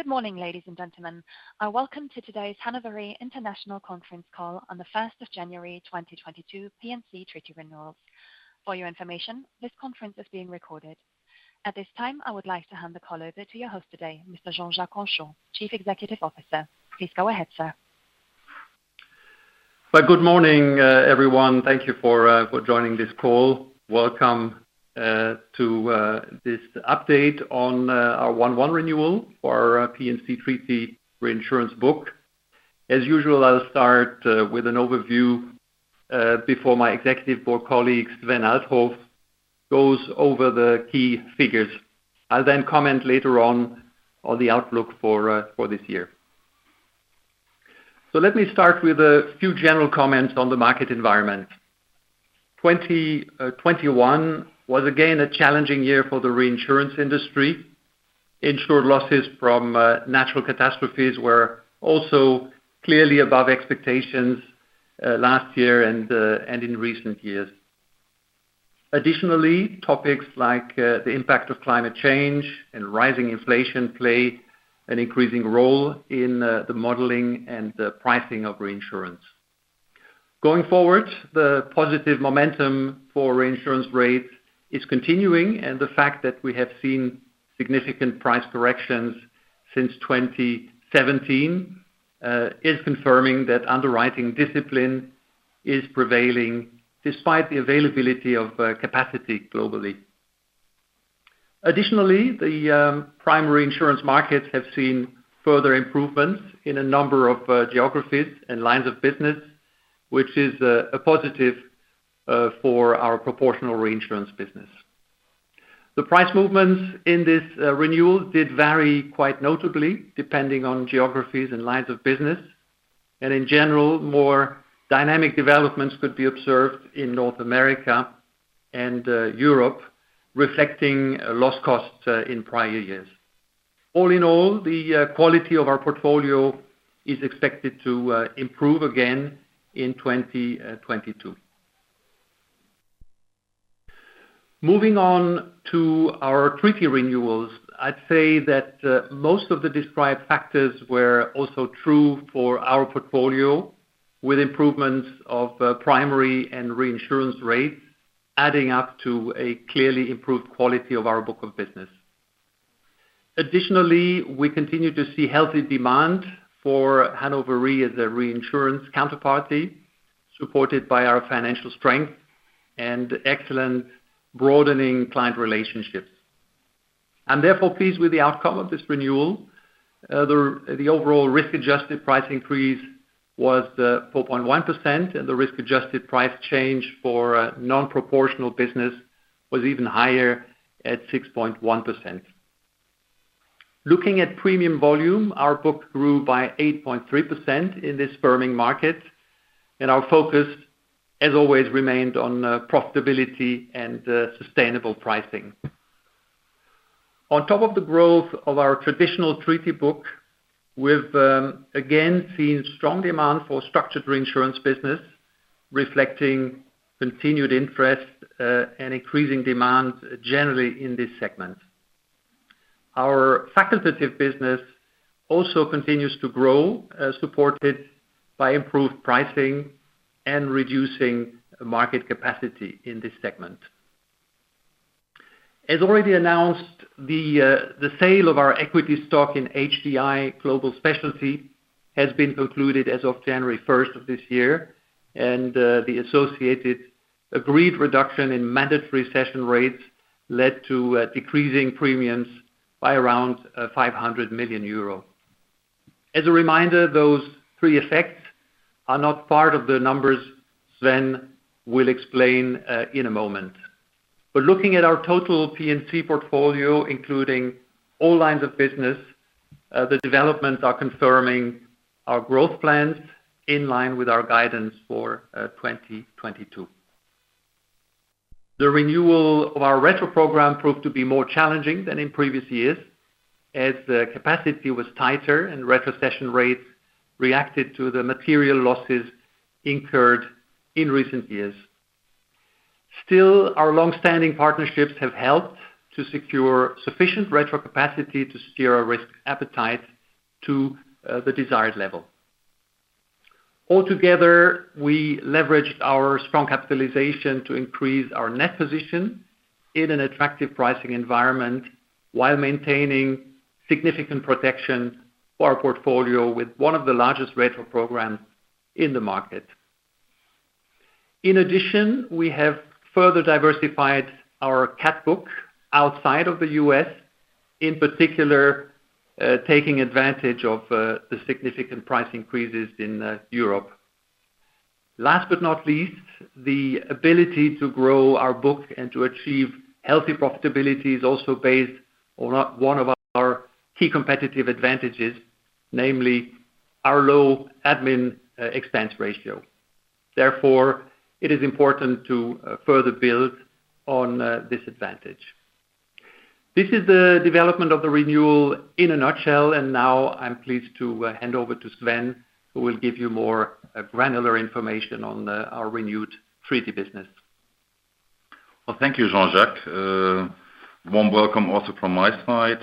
Good morning, ladies and gentlemen. Welcome to today's Hannover International Conference call on the first of January 2022, P&C Treaty Renewals. For your information, this conference is being recorded. At this time, I would like to hand the call over to your host today, Mr. Jean-Jacques Henchoz, Chief Executive Officer. Please go ahead, sir. Well, good morning, everyone. Thank you for joining this call. Welcome to this update on our 1/1 renewal for our P&C treaty reinsurance book. As usual, I'll start with an overview before my executive board colleague, Sven Althoff, goes over the key figures. I'll then comment later on the outlook for this year. Let me start with a few general comments on the market environment. 2021 was again a challenging year for the reinsurance industry. Insured losses from natural catastrophes were also clearly above expectations last year and in recent years. Additionally, topics like the impact of climate change and rising inflation play an increasing role in the modeling and the pricing of reinsurance. Going forward, the positive momentum for reinsurance rates is continuing, and the fact that we have seen significant price corrections since 2017 is confirming that underwriting discipline is prevailing despite the availability of capacity globally. Additionally, the primary insurance markets have seen further improvements in a number of geographies and lines of business, which is a positive for our proportional reinsurance business. The price movements in this renewal did vary quite notably depending on geographies and lines of business. In general, more dynamic developments could be observed in North America and Europe, reflecting loss costs in prior years. All in all, the quality of our portfolio is expected to improve again in 2022. Moving on to our treaty renewals, I'd say that most of the described factors were also true for our portfolio, with improvements of primary and reinsurance rates adding up to a clearly improved quality of our book of business. Additionally, we continue to see healthy demand for Hannover Re as a reinsurance counterparty, supported by our financial strength and excellent broadening client relationships. I'm therefore pleased with the outcome of this renewal. The overall risk-adjusted price increase was 4.1%, and the risk-adjusted price change for non-proportional business was even higher at 6.1%. Looking at premium volume, our book grew by 8.3% in this firming market, and our focus, as always, remained on profitability and sustainable pricing. On top of the growth of our traditional treaty book, we've again seen strong demand for structured reinsurance business, reflecting continued interest and increasing demand generally in this segment. Our facultative business also continues to grow, supported by improved pricing and reducing market capacity in this segment. As already announced, the sale of our equity stock in HDI Global Specialty has been concluded as of January first of this year. The associated agreed reduction in mandatory cession rates led to a decrease in premiums by around 500 million euro. As a reminder, those three effects are not part of the numbers Sven will explain in a moment. Looking at our total P&C portfolio, including all lines of business, the developments are confirming our growth plans in line with our guidance for 2022. The renewal of our retro program proved to be more challenging than in previous years as the capacity was tighter and retrocession rates reacted to the material losses incurred in recent years. Still, our long-standing partnerships have helped to secure sufficient retro capacity to steer our risk appetite to the desired level. Altogether, we leveraged our strong capitalization to increase our net position in an attractive pricing environment while maintaining significant protection for our portfolio with one of the largest retro programs in the market. In addition, we have further diversified our cat book outside of the U.S., in particular, taking advantage of the significant price increases in Europe. Last but not least, the ability to grow our book and to achieve healthy profitability is also based on one of our key competitive advantages, namely our low admin expense ratio. Therefore, it is important to further build on this advantage. This is the development of the renewal in a nutshell. Now I'm pleased to hand over to Sven, who will give you more granular information on our renewed treaty business. Well, thank you, Jean-Jacques Henchoz. Warm welcome also from my side.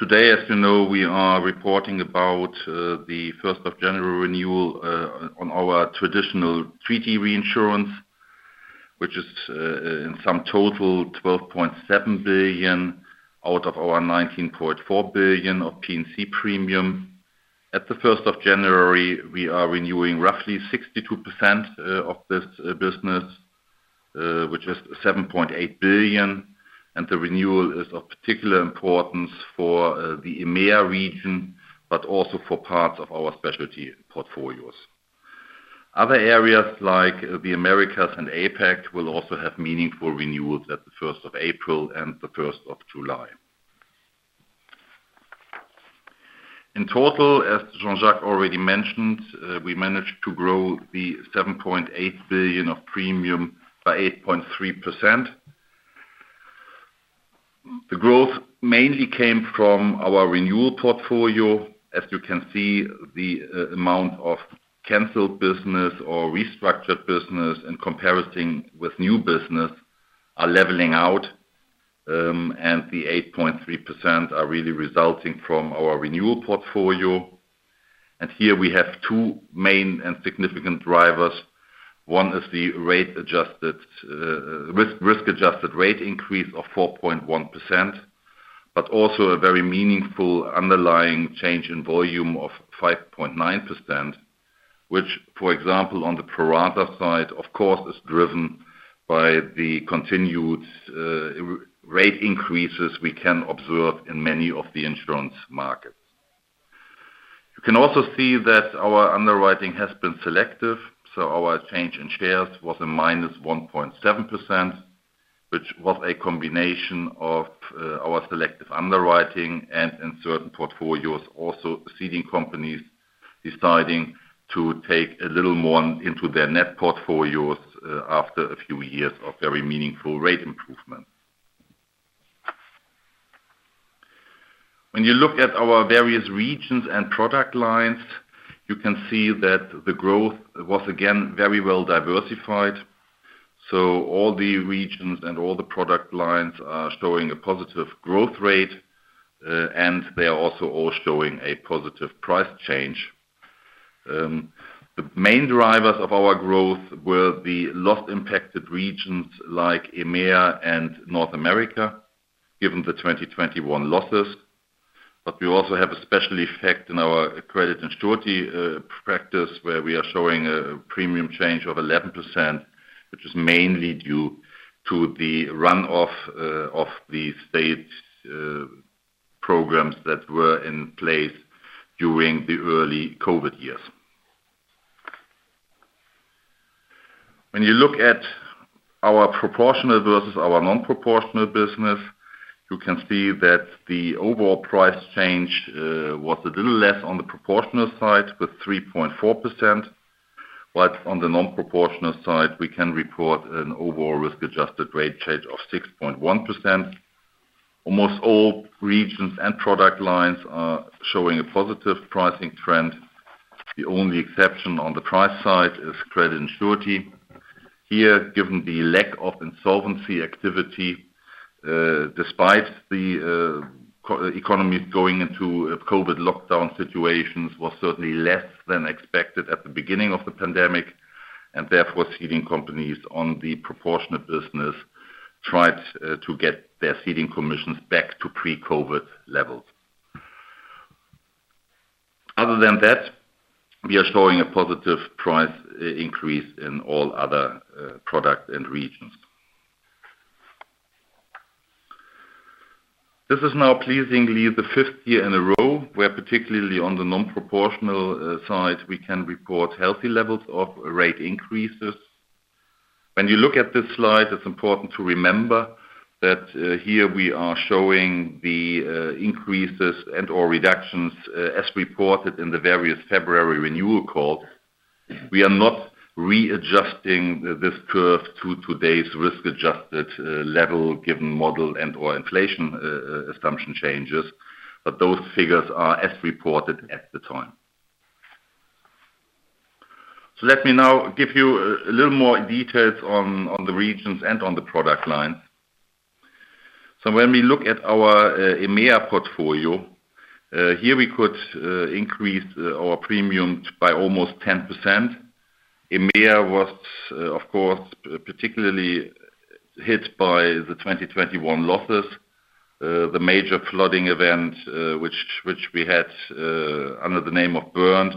Today, as you know, we are reporting about the first of January renewal on our traditional treaty reinsurance, which is in sum total 12.7 billion out of our 19.4 billion of P&C premium. At the first of January, we are renewing roughly 62% of this business, which is 7.8 billion. The renewal is of particular importance for the EMEA region, but also for parts of our specialty portfolios. Other areas like the Americas and APAC will also have meaningful renewals at the first of April and the first of July. In total, as Jean-Jacques Henchoz already mentioned, we managed to grow the 7.8 billion of premium by 8.3%. The growth mainly came from our renewal portfolio. As you can see, the amount of canceled business or restructured business in comparison with new business are leveling out, and the 8.3% are really resulting from our renewal portfolio. Here we have two main and significant drivers. One is the risk-adjusted rate increase of 4.1%, but also a very meaningful underlying change in volume of 5.9%, which, for example, on the pro rata side, of course, is driven by the continued rate increases we can observe in many of the insurance markets. You can also see that our underwriting has been selective, so our change in shares was a minus 1.7%, which was a combination of our selective underwriting and in certain portfolios, also ceding companies deciding to take a little more into their net portfolios after a few years of very meaningful rate improvement. When you look at our various regions and product lines, you can see that the growth was again very well diversified. All the regions and all the product lines are showing a positive growth rate, and they are also all showing a positive price change. The main drivers of our growth were the loss-impacted regions like EMEA and North America, given the 2021 losses. We also have a special effect in our Credit and Surety practice, where we are showing a premium change of 11%, which is mainly due to the run-off of the state programs that were in place during the early COVID years. When you look at our proportional versus our non-proportional business, you can see that the overall price change was a little less on the proportional side with 3.4%. On the non-proportional side, we can report an overall risk-adjusted rate change of 6.1%. Almost all regions and product lines are showing a positive pricing trend. The only exception on the price side is Credit and Surety. Here, given the lack of insolvency activity, despite the economies going into a COVID lockdown situations, was certainly less than expected at the beginning of the pandemic, and therefore ceding companies on the proportionate business tried to get their ceding commissions back to pre-COVID levels. Other than that, we are showing a positive price increase in all other products and regions. This is now pleasingly the fifth year in a row, where particularly on the non-proportional side, we can report healthy levels of rate increases. When you look at this slide, it's important to remember that here we are showing the increases and/or reductions as reported in the various February renewal calls. We are not readjusting this curve to today's risk-adjusted level given model and/or inflation assumption changes, but those figures are as reported at the time. Let me now give you a little more details on the regions and on the product lines. When we look at our EMEA portfolio, here we could increase our premiums by almost 10%. EMEA was, of course, particularly hit by the 2021 losses. The major flooding event which we had under the name of Bernd,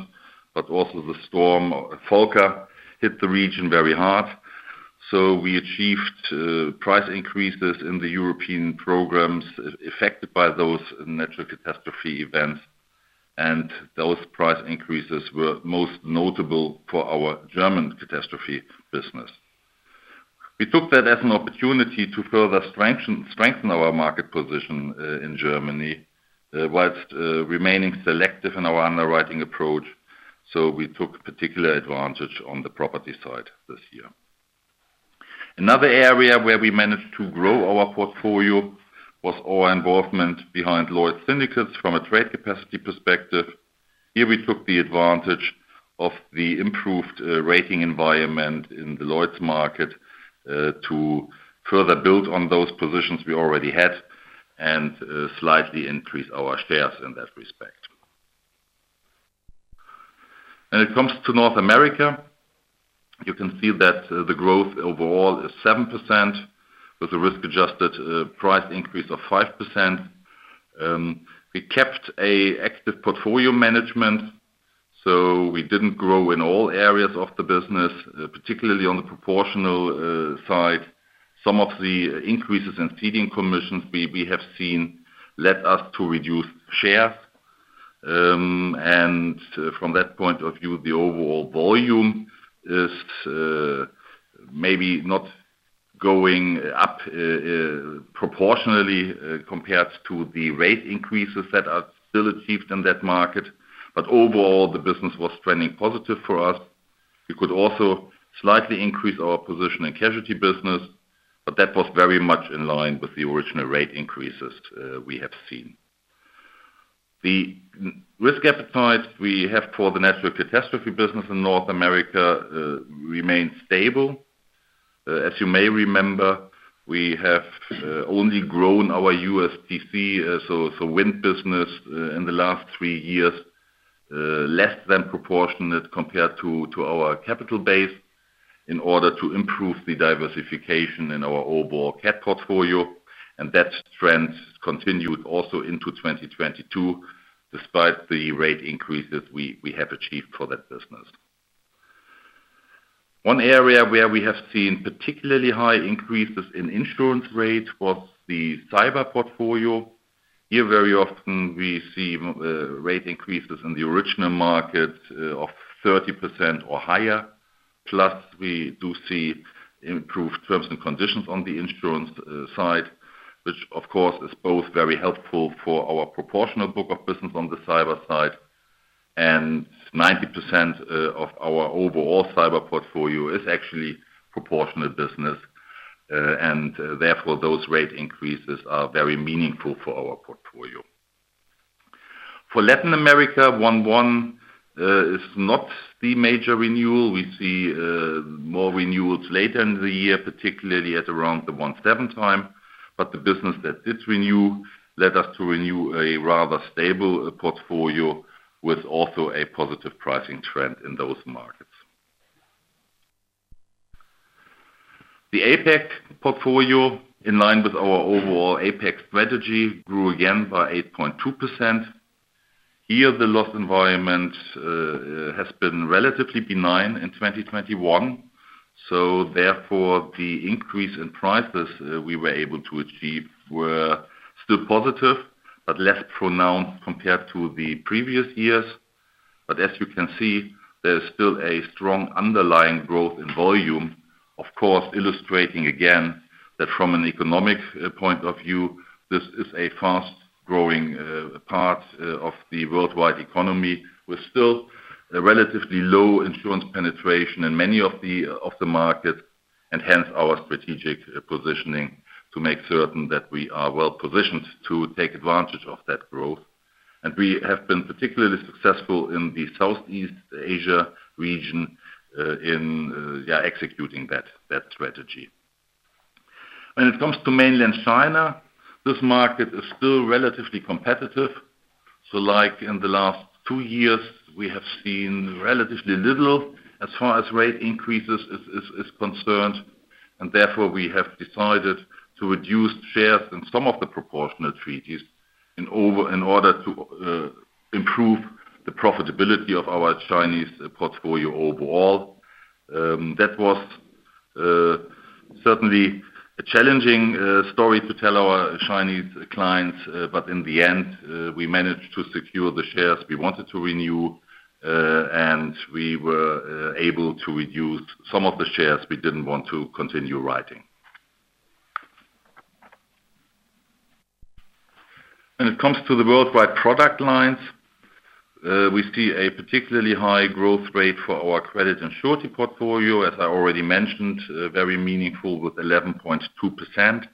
but also the storm Volker hit the region very hard. We achieved price increases in the European programs affected by those natural catastrophe events, and those price increases were most notable for our German catastrophe business. We took that as an opportunity to further strengthen our market position in Germany while remaining selective in our underwriting approach. We took particular advantage on the property side this year. Another area where we managed to grow our portfolio was our involvement behind Lloyd's syndicates from a trade capacity perspective. Here we took advantage of the improved rating environment in the Lloyd's market to further build on those positions we already had and slightly increase our shares in that respect. When it comes to North America, you can see that the growth overall is 7% with a risk-adjusted price increase of 5%. We kept an active portfolio management, so we didn't grow in all areas of the business, particularly on the proportional side. Some of the increases in ceding commissions we have seen led us to reduce shares. From that point of view, the overall volume is maybe not going up proportionally compared to the rate increases that are still achieved in that market. Overall, the business was trending positive for us. We could also slightly increase our position in casualty business, but that was very much in line with the original rate increases we have seen. The risk appetite we have for the natural catastrophe business in North America remains stable. As you may remember, we have only grown our U.S P&C so wind business in the last three years less than proportionate compared to our capital base in order to improve the diversification in our overall cat portfolio. That trend continued also into 2022 despite the rate increases we have achieved for that business. One area where we have seen particularly high increases in insurance rates was the Cyber portfolio. Here, very often we see rate increases in the original market of 30% or higher. We do see improved terms and conditions on the insurance side, which of course is both very helpful for our proportional book of business on the cyber side. Ninety percent of our overall cyber portfolio is actually proportional business. Therefore, those rate increases are very meaningful for our portfolio. For Latin America, 1/1 is not the major renewal. We see more renewals later in the year, particularly at around the 1/7 time. The business that did renew led us to renew a rather stable portfolio with also a positive pricing trend in those markets. The APAC portfolio, in line with our overall APAC strategy, grew again by 8.2%. Here, the loss environment has been relatively benign in 2021. Therefore, the increase in prices we were able to achieve were still positive, but less pronounced compared to the previous years. As you can see, there's still a strong underlying growth in volume, of course, illustrating again that from an economic point of view, this is a fast-growing part of the worldwide economy with still a relatively low insurance penetration in many of the markets, and hence our strategic positioning to make certain that we are well positioned to take advantage of that growth. We have been particularly successful in the Southeast Asia region in executing that strategy. When it comes to mainland China, this market is still relatively competitive. Like in the last two years, we have seen relatively little as far as rate increases is concerned. Therefore, we have decided to reduce shares in some of the proportional treaties in order to improve the profitability of our Chinese portfolio overall. That was certainly a challenging story to tell our Chinese clients. In the end, we managed to secure the shares we wanted to renew, and we were able to reduce some of the shares we didn't want to continue writing. When it comes to the worldwide product lines, we see a particularly high growth rate for our Credit and Surety portfolio, as I already mentioned, very meaningful with 11.2%.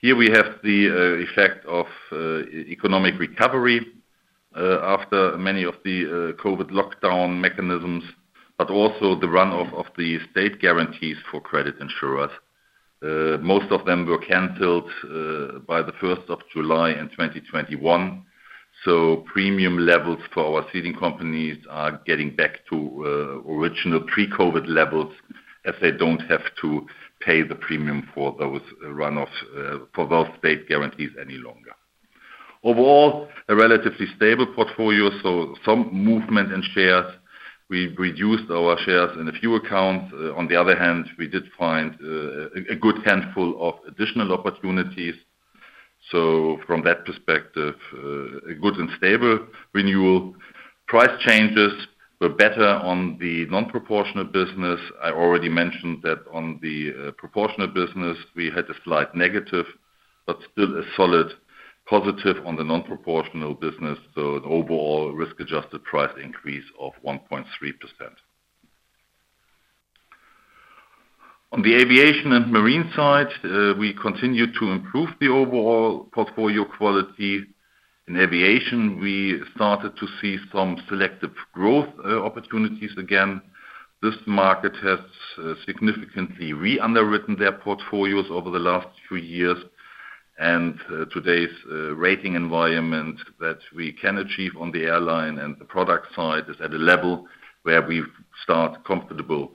Here we have the effect of economic recovery after many of the COVID lockdown mechanisms, but also the run-off of the state guarantees for credit insurers. Most of them were canceled by the first of July in 2021. Premium levels for our ceding companies are getting back to original pre-COVID levels as they don't have to pay the premium for those run-offs for those state guarantees any longer. Overall, a relatively stable portfolio, some movement in shares. We reduced our shares in a few accounts. On the other hand, we did find a good handful of additional opportunities. From that perspective, a good and stable renewal. Price changes were better on the non-proportional business. I already mentioned that on the proportional business, we had a slight negative, but still a solid positive on the non-proportional business. An overall risk-adjusted price increase of 1.3%. On the Aviation and Marine side, we continue to improve the overall portfolio quality. In aviation, we started to see some selective growth opportunities again. This market has significantly re-underwritten their portfolios over the last three years. Today's rating environment that we can achieve on the airline and the product side is at a level where we start comfortable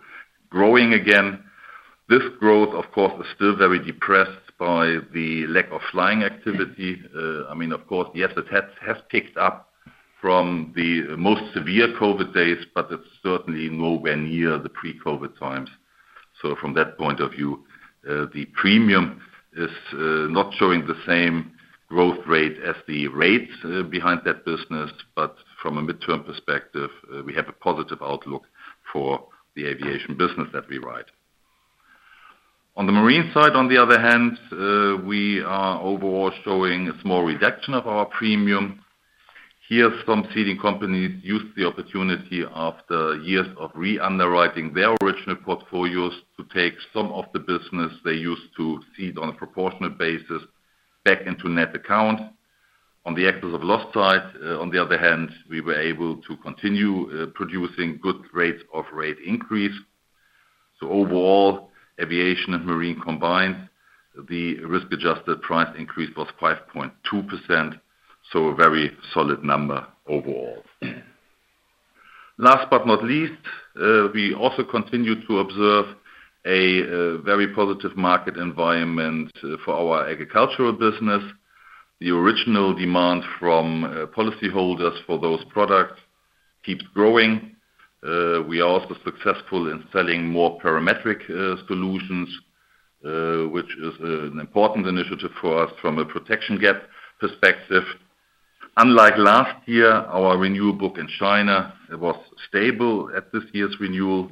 growing again. This growth, of course, is still very depressed by the lack of flying activity. I mean, of course, yes, it has picked up from the most severe COVID days, but it's certainly nowhere near the pre-COVID times. From that point of view, the premium is not showing the same growth rate as the rates behind that business. From a midterm perspective, we have a positive outlook for the aviation business that we write. On the marine side, on the other hand, we are overall showing a small reduction of our premium. Here, some ceding companies used the opportunity after years of re-underwriting their original portfolios to take some of the business they used to cede on a proportional basis back into net account. On the excess of loss side, on the other hand, we were able to continue producing good rates of rate increase. Overall, Aviation and Marine combined, the risk-adjusted price increase was 5.2%, so a very solid number overall. Last but not least, we also continue to observe a very positive market environment for our agricultural business. The original demand from policyholders for those products keeps growing. We are also successful in selling more parametric solutions, which is an important initiative for us from a protection gap perspective. Unlike last year, our renewal book in China was stable at this year's renewal.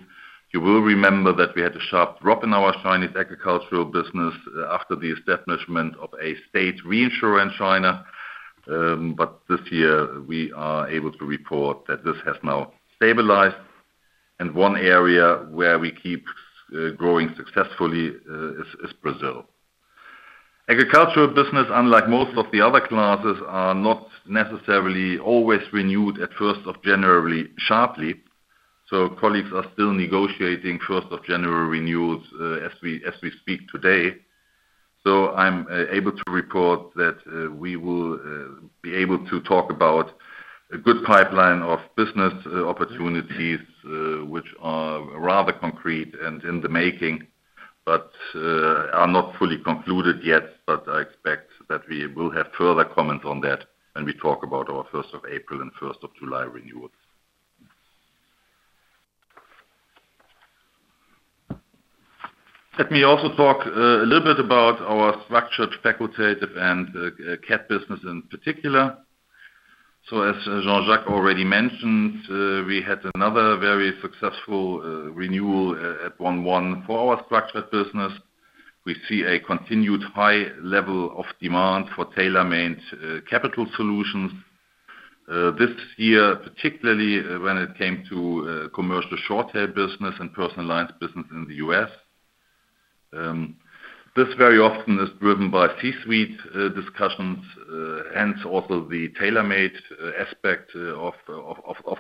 You will remember that we had a sharp drop in our Chinese agricultural business after the establishment of a state reinsurer in China. This year we are able to report that this has now stabilized. One area where we keep growing successfully is Brazil. Agricultural business, unlike most of the other classes, are not necessarily always renewed at first of January sharply, so colleagues are still negotiating first of January renewals as we speak today. I'm able to report that we will be able to talk about a good pipeline of business opportunities which are rather concrete and in the making, but are not fully concluded yet. I expect that we will have further comment on that when we talk about our first of April and first of July renewals. Let me also talk a little bit about our structured facultative and CAT business in particular. As Jean-Jacques Henchoz already mentioned, we had another very successful renewal at 1/1 for our structured business. We see a continued high level of demand for tailor-made capital solutions. This year, particularly when it came to commercial short-tail business and personal lines business in the U.S. This very often is driven by C-suite discussions, hence also the tailor-made aspect of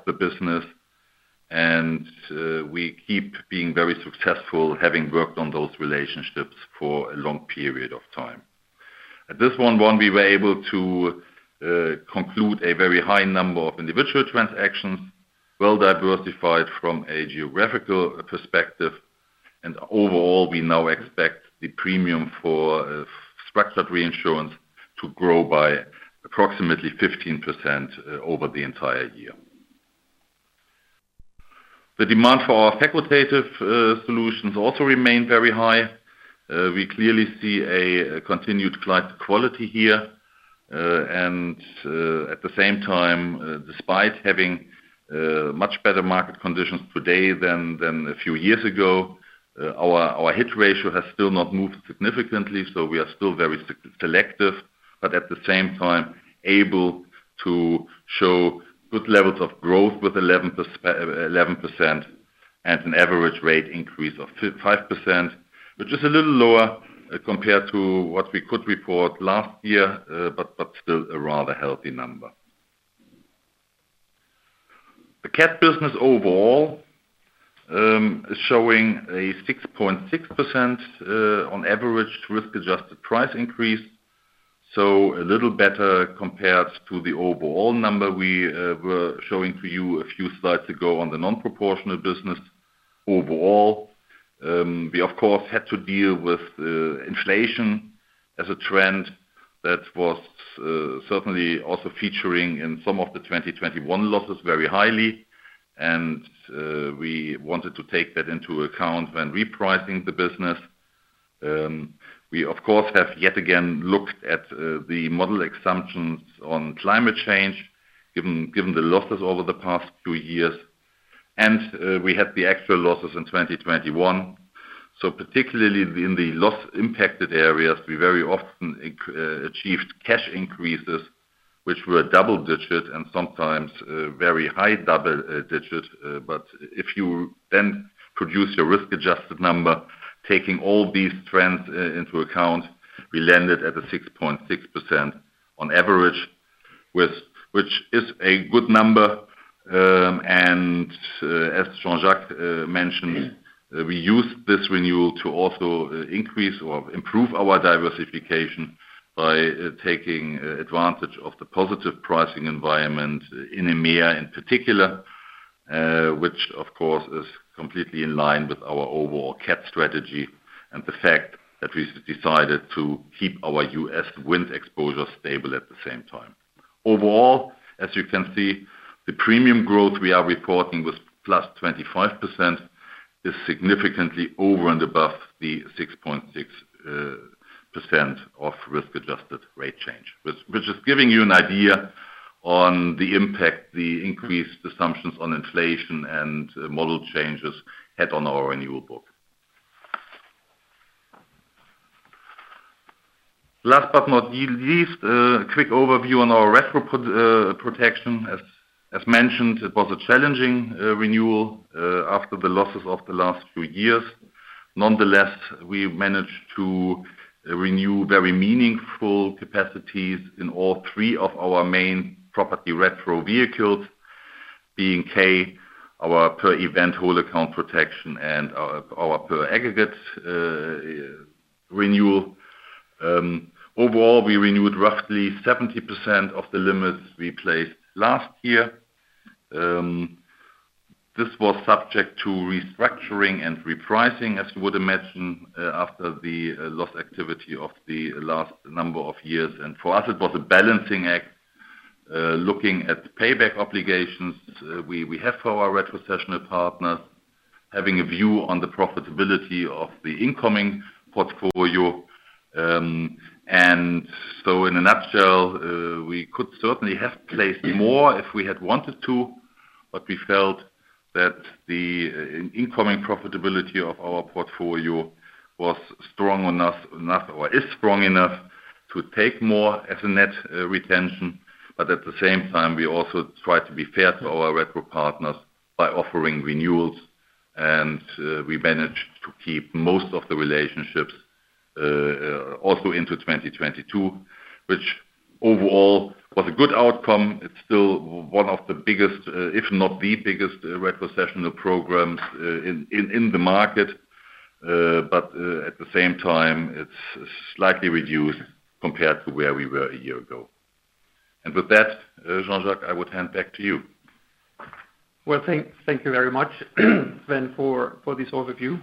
the business. We keep being very successful, having worked on those relationships for a long period of time. At this one-on-one, we were able to conclude a very high number of individual transactions, well diversified from a geographical perspective. Overall, we now expect the premium for structured reinsurance to grow by approximately 15% over the entire year. The demand for our facultative solutions also remain very high. We clearly see a continued client quality here. At the same time, despite having much better market conditions today than a few years ago, our hit ratio has still not moved significantly. We are still very selective, but at the same time able to show good levels of growth with 11% and an average rate increase of 5%, which is a little lower compared to what we could report last year, but still a rather healthy number. The CAT business overall is showing a 6.6% on average risk-adjusted price increase, so a little better compared to the overall number we were showing to you a few slides ago on the non-proportional business overall. We of course had to deal with inflation as a trend that was certainly also featuring in some of the 2021 losses very highly. We wanted to take that into account when repricing the business. We of course have yet again looked at the model assumptions on climate change given the losses over the past two years. We had the actual losses in 2021. Particularly in the loss impacted areas, we very often achieved cash increases which were double digit and sometimes very high double digit. But if you then produce a risk-adjusted number, taking all these trends into account, we landed at a 6.6% on average, which is a good number. As Jean-Jacques Henchoz mentioned, we used this renewal to also increase or improve our diversification by taking advantage of the positive pricing environment in EMEA in particular, which of course is completely in line with our overall cat strategy and the fact that we decided to keep our U.S. wind exposure stable at the same time. Overall, as you can see, the premium growth we are reporting was +25%, is significantly over and above the 6.6% of risk-adjusted rate change, which is giving you an idea on the impact the increased assumptions on inflation and model changes had on our renewal book. Last but not least, a quick overview on our retro program protection. As mentioned, it was a challenging renewal after the losses of the last few years. Nonetheless, we managed to renew very meaningful capacities in all three of our main property retro vehicles, being K, our per event whole account protection, and our per aggregate renewal. Overall, we renewed roughly 70% of the limits we placed last year. This was subject to restructuring and repricing, as you would imagine, after the loss activity of the last number of years. For us, it was a balancing act, looking at payback obligations we have for our retrocessional partners, having a view on the profitability of the incoming portfolio. In a nutshell, we could certainly have placed more if we had wanted to, but we felt that the incoming profitability of our portfolio was strong enough or is strong enough to take more as a net retention. At the same time, we also try to be fair to our retro partners by offering renewals, and we managed to keep most of the relationships also into 2022, which overall was a good outcome. It's still one of the biggest, if not the biggest retrocessional programs, in the market. At the same time, it's slightly reduced compared to where we were a year ago. With that, Jean-Jacques Henchoz, I would hand back to you. Well, thank you very much, Sven, for this overview.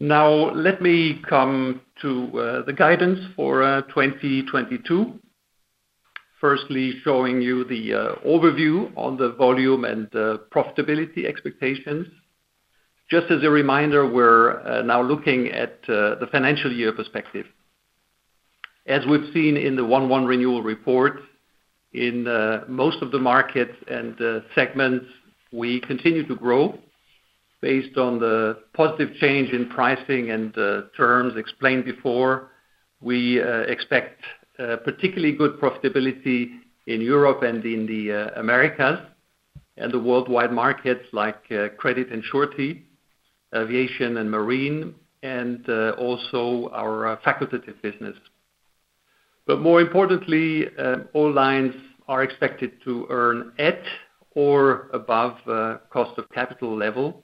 Now, let me come to the guidance for 2022. Firstly, showing you the overview on the volume and profitability expectations. Just as a reminder, we're now looking at the financial year perspective. As we've seen in the 1/1 renewal report, in most of the markets and segments, we continue to grow based on the positive change in pricing and terms explained before. We expect particularly good profitability in Europe and in the Americas and the worldwide markets like credit and surety, aviation and marine, and also our facultative business. More importantly, all lines are expected to earn at or above cost of capital level.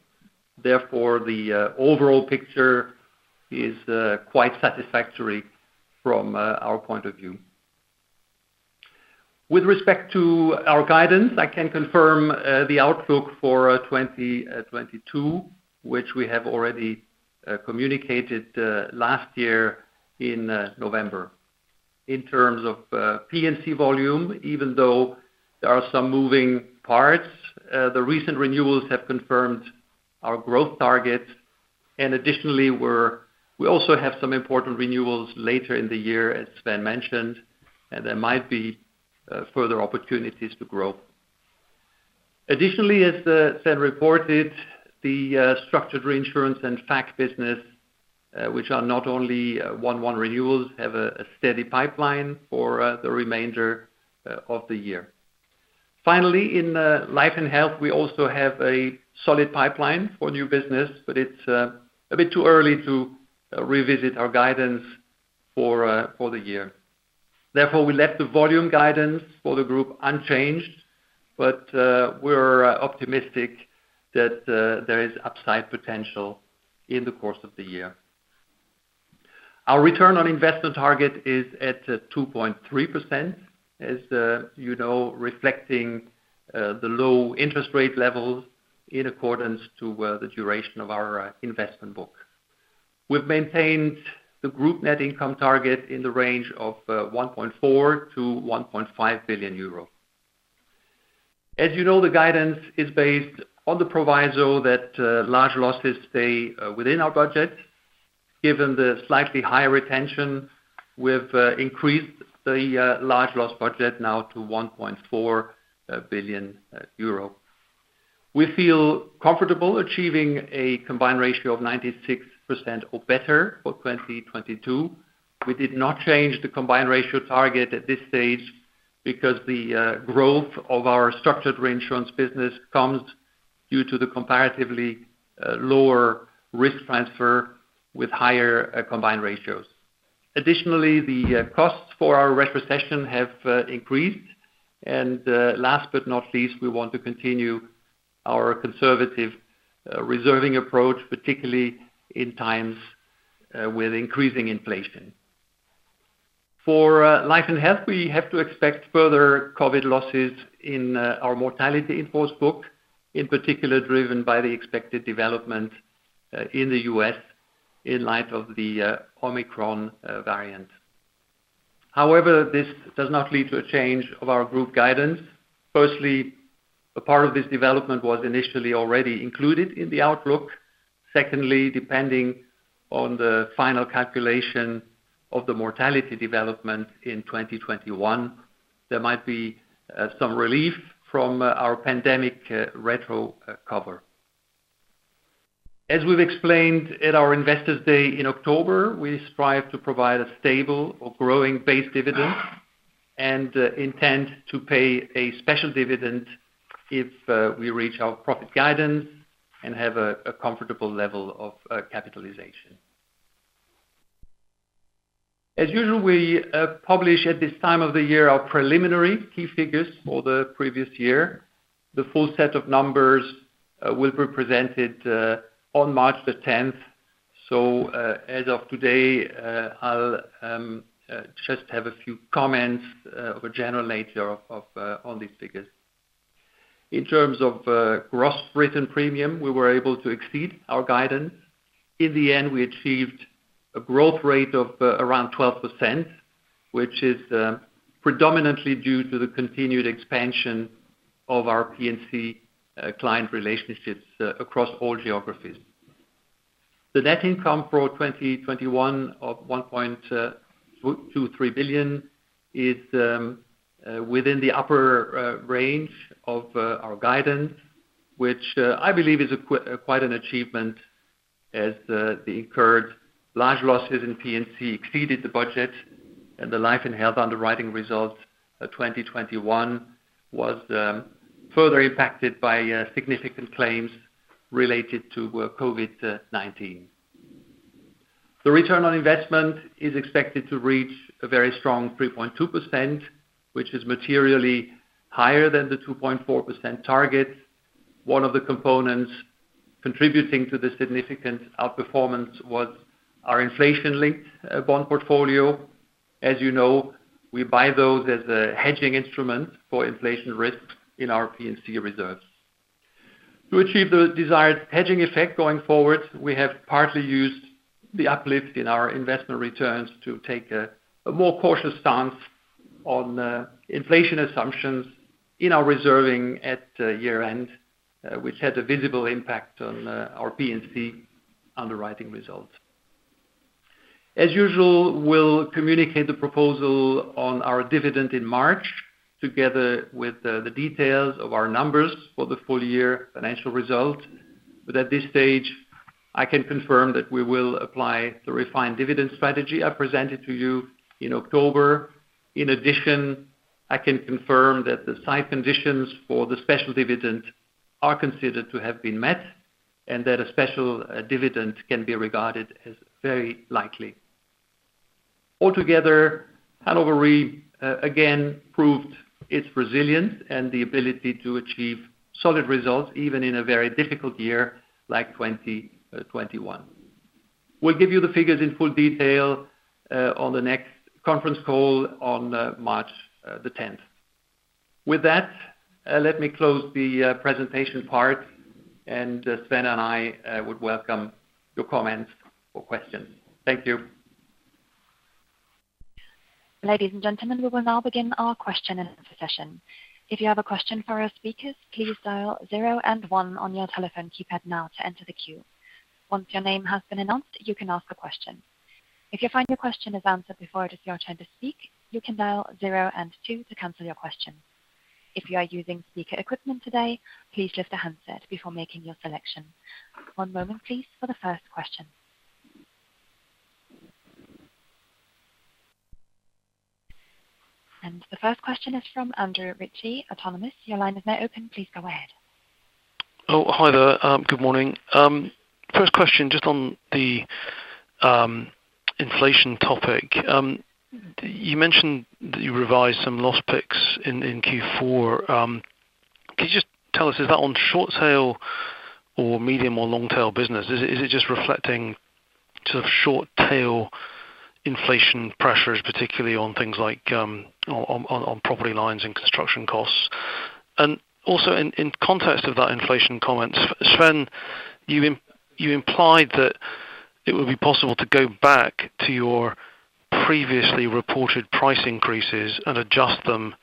Therefore, the overall picture is quite satisfactory from our point of view. With respect to our guidance, I can confirm the outlook for 2022, which we have already communicated last year in November. In terms of P&C volume, even though there are some moving parts, the recent renewals have confirmed our growth target. Additionally, we also have some important renewals later in the year, as Sven mentioned, and there might be further opportunities to grow. Additionally, as Sven reported, the structured reinsurance and FAC business, which are not only one-off renewals, have a steady pipeline for the remainder of the year. Finally, in Life and Health, we also have a solid pipeline for new business, but it's a bit too early to revisit our guidance for the year. Therefore, we left the volume guidance for the group unchanged, but we're optimistic that there is upside potential in the course of the year. Our return on investment target is at 2.3%, as you know, reflecting the low interest rate levels in accordance to the duration of our investment book. We've maintained the group net income target in the range of 1.4 billion-1.5 billion euro. As you know, the guidance is based on the proviso that large losses stay within our budget. Given the slightly higher retention, we've increased the large loss budget now to 1.4 billion euro. We feel comfortable achieving a combined ratio of 96% or better for 2022. We did not change the combined ratio target at this stage because the growth of our structured reinsurance business comes due to the comparatively lower risk transfer with higher combined ratios. Additionally, the costs for our retrocession have increased. Last but not least, we want to continue our conservative reserving approach, particularly in times with increasing inflation. For Life and Health, we have to expect further COVID losses in our mortality in force book, in particular, driven by the expected development in the U.S. in light of the Omicron variant. However, this does not lead to a change of our group guidance. Firstly, a part of this development was initially already included in the outlook. Secondly, depending on the final calculation of the mortality development in 2021, there might be some relief from our pandemic retro cover. As we've explained at our Investors Day in October, we strive to provide a stable or growing base dividend and intend to pay a special dividend if we reach our profit guidance and have a comfortable level of capitalization. As usual, we publish at this time of the year our preliminary key figures for the previous year. The full set of numbers will be presented on March 10. As of today, I'll just have a few comments of a general nature on these figures. In terms of gross written premium, we were able to exceed our guidance. In the end, we achieved a growth rate of around 12%, which is predominantly due to the continued expansion of our P&C client relationships across all geographies. The net income for 2021 of 1.23 billion is within the upper range of our guidance, which I believe is quite an achievement as the incurred large losses in P&C exceeded the budget, and the Life and Health underwriting results of 2021 was further impacted by significant claims related to COVID-19. The return on investment is expected to reach a very strong 3.2%, which is materially higher than the 2.4% target. One of the components contributing to the significant outperformance was our inflation-linked bond portfolio. As you know, we buy those as a hedging instrument for inflation risk in our P&C reserves. To achieve the desired hedging effect going forward, we have partly used the uplift in our investment returns to take a more cautious stance on inflation assumptions in our reserving at year-end, which had a visible impact on our P&C underwriting results. As usual, we'll communicate the proposal on our dividend in March, together with the details of our numbers for the full year financial result. At this stage, I can confirm that we will apply the refined dividend strategy I presented to you in October. In addition, I can confirm that the side conditions for the special dividend are considered to have been met, and that a special dividend can be regarded as very likely. Altogether, Hannover Re again proved its resilience and the ability to achieve solid results, even in a very difficult year like 2021. We'll give you the figures in full detail on the next conference call on March 10. With that, let me close the presentation part, and Sven and I would welcome your comments or questions. Thank you. Ladies and gentlemen, we will now begin our question and answer session. If you have a question for our speakers, please dial 0 and 1 on your telephone keypad now to enter the queue. Once your name has been announced, you can ask a question. If you find your question is answered before it is your turn to speak, you can dial zero and two to cancel your question. If you are using speaker equipment today, please lift the handset before making your selection. One moment, please, for the first question. The first question is from Andrew Ritchie, Andrew Ritchie. Your line is now open. Please go ahead. Oh, hi there. Good morning. First question, just on the inflation topic. You mentioned that you revised some loss picks in Q4. Could you just tell us, is that on short tail or medium or long tail business? Is it just reflecting sort of short tail inflation pressures, particularly on things like on property lines and construction costs? And also in context of that inflation comment, Sven, you implied that it would be possible to go back to your previously reported price increases and adjust them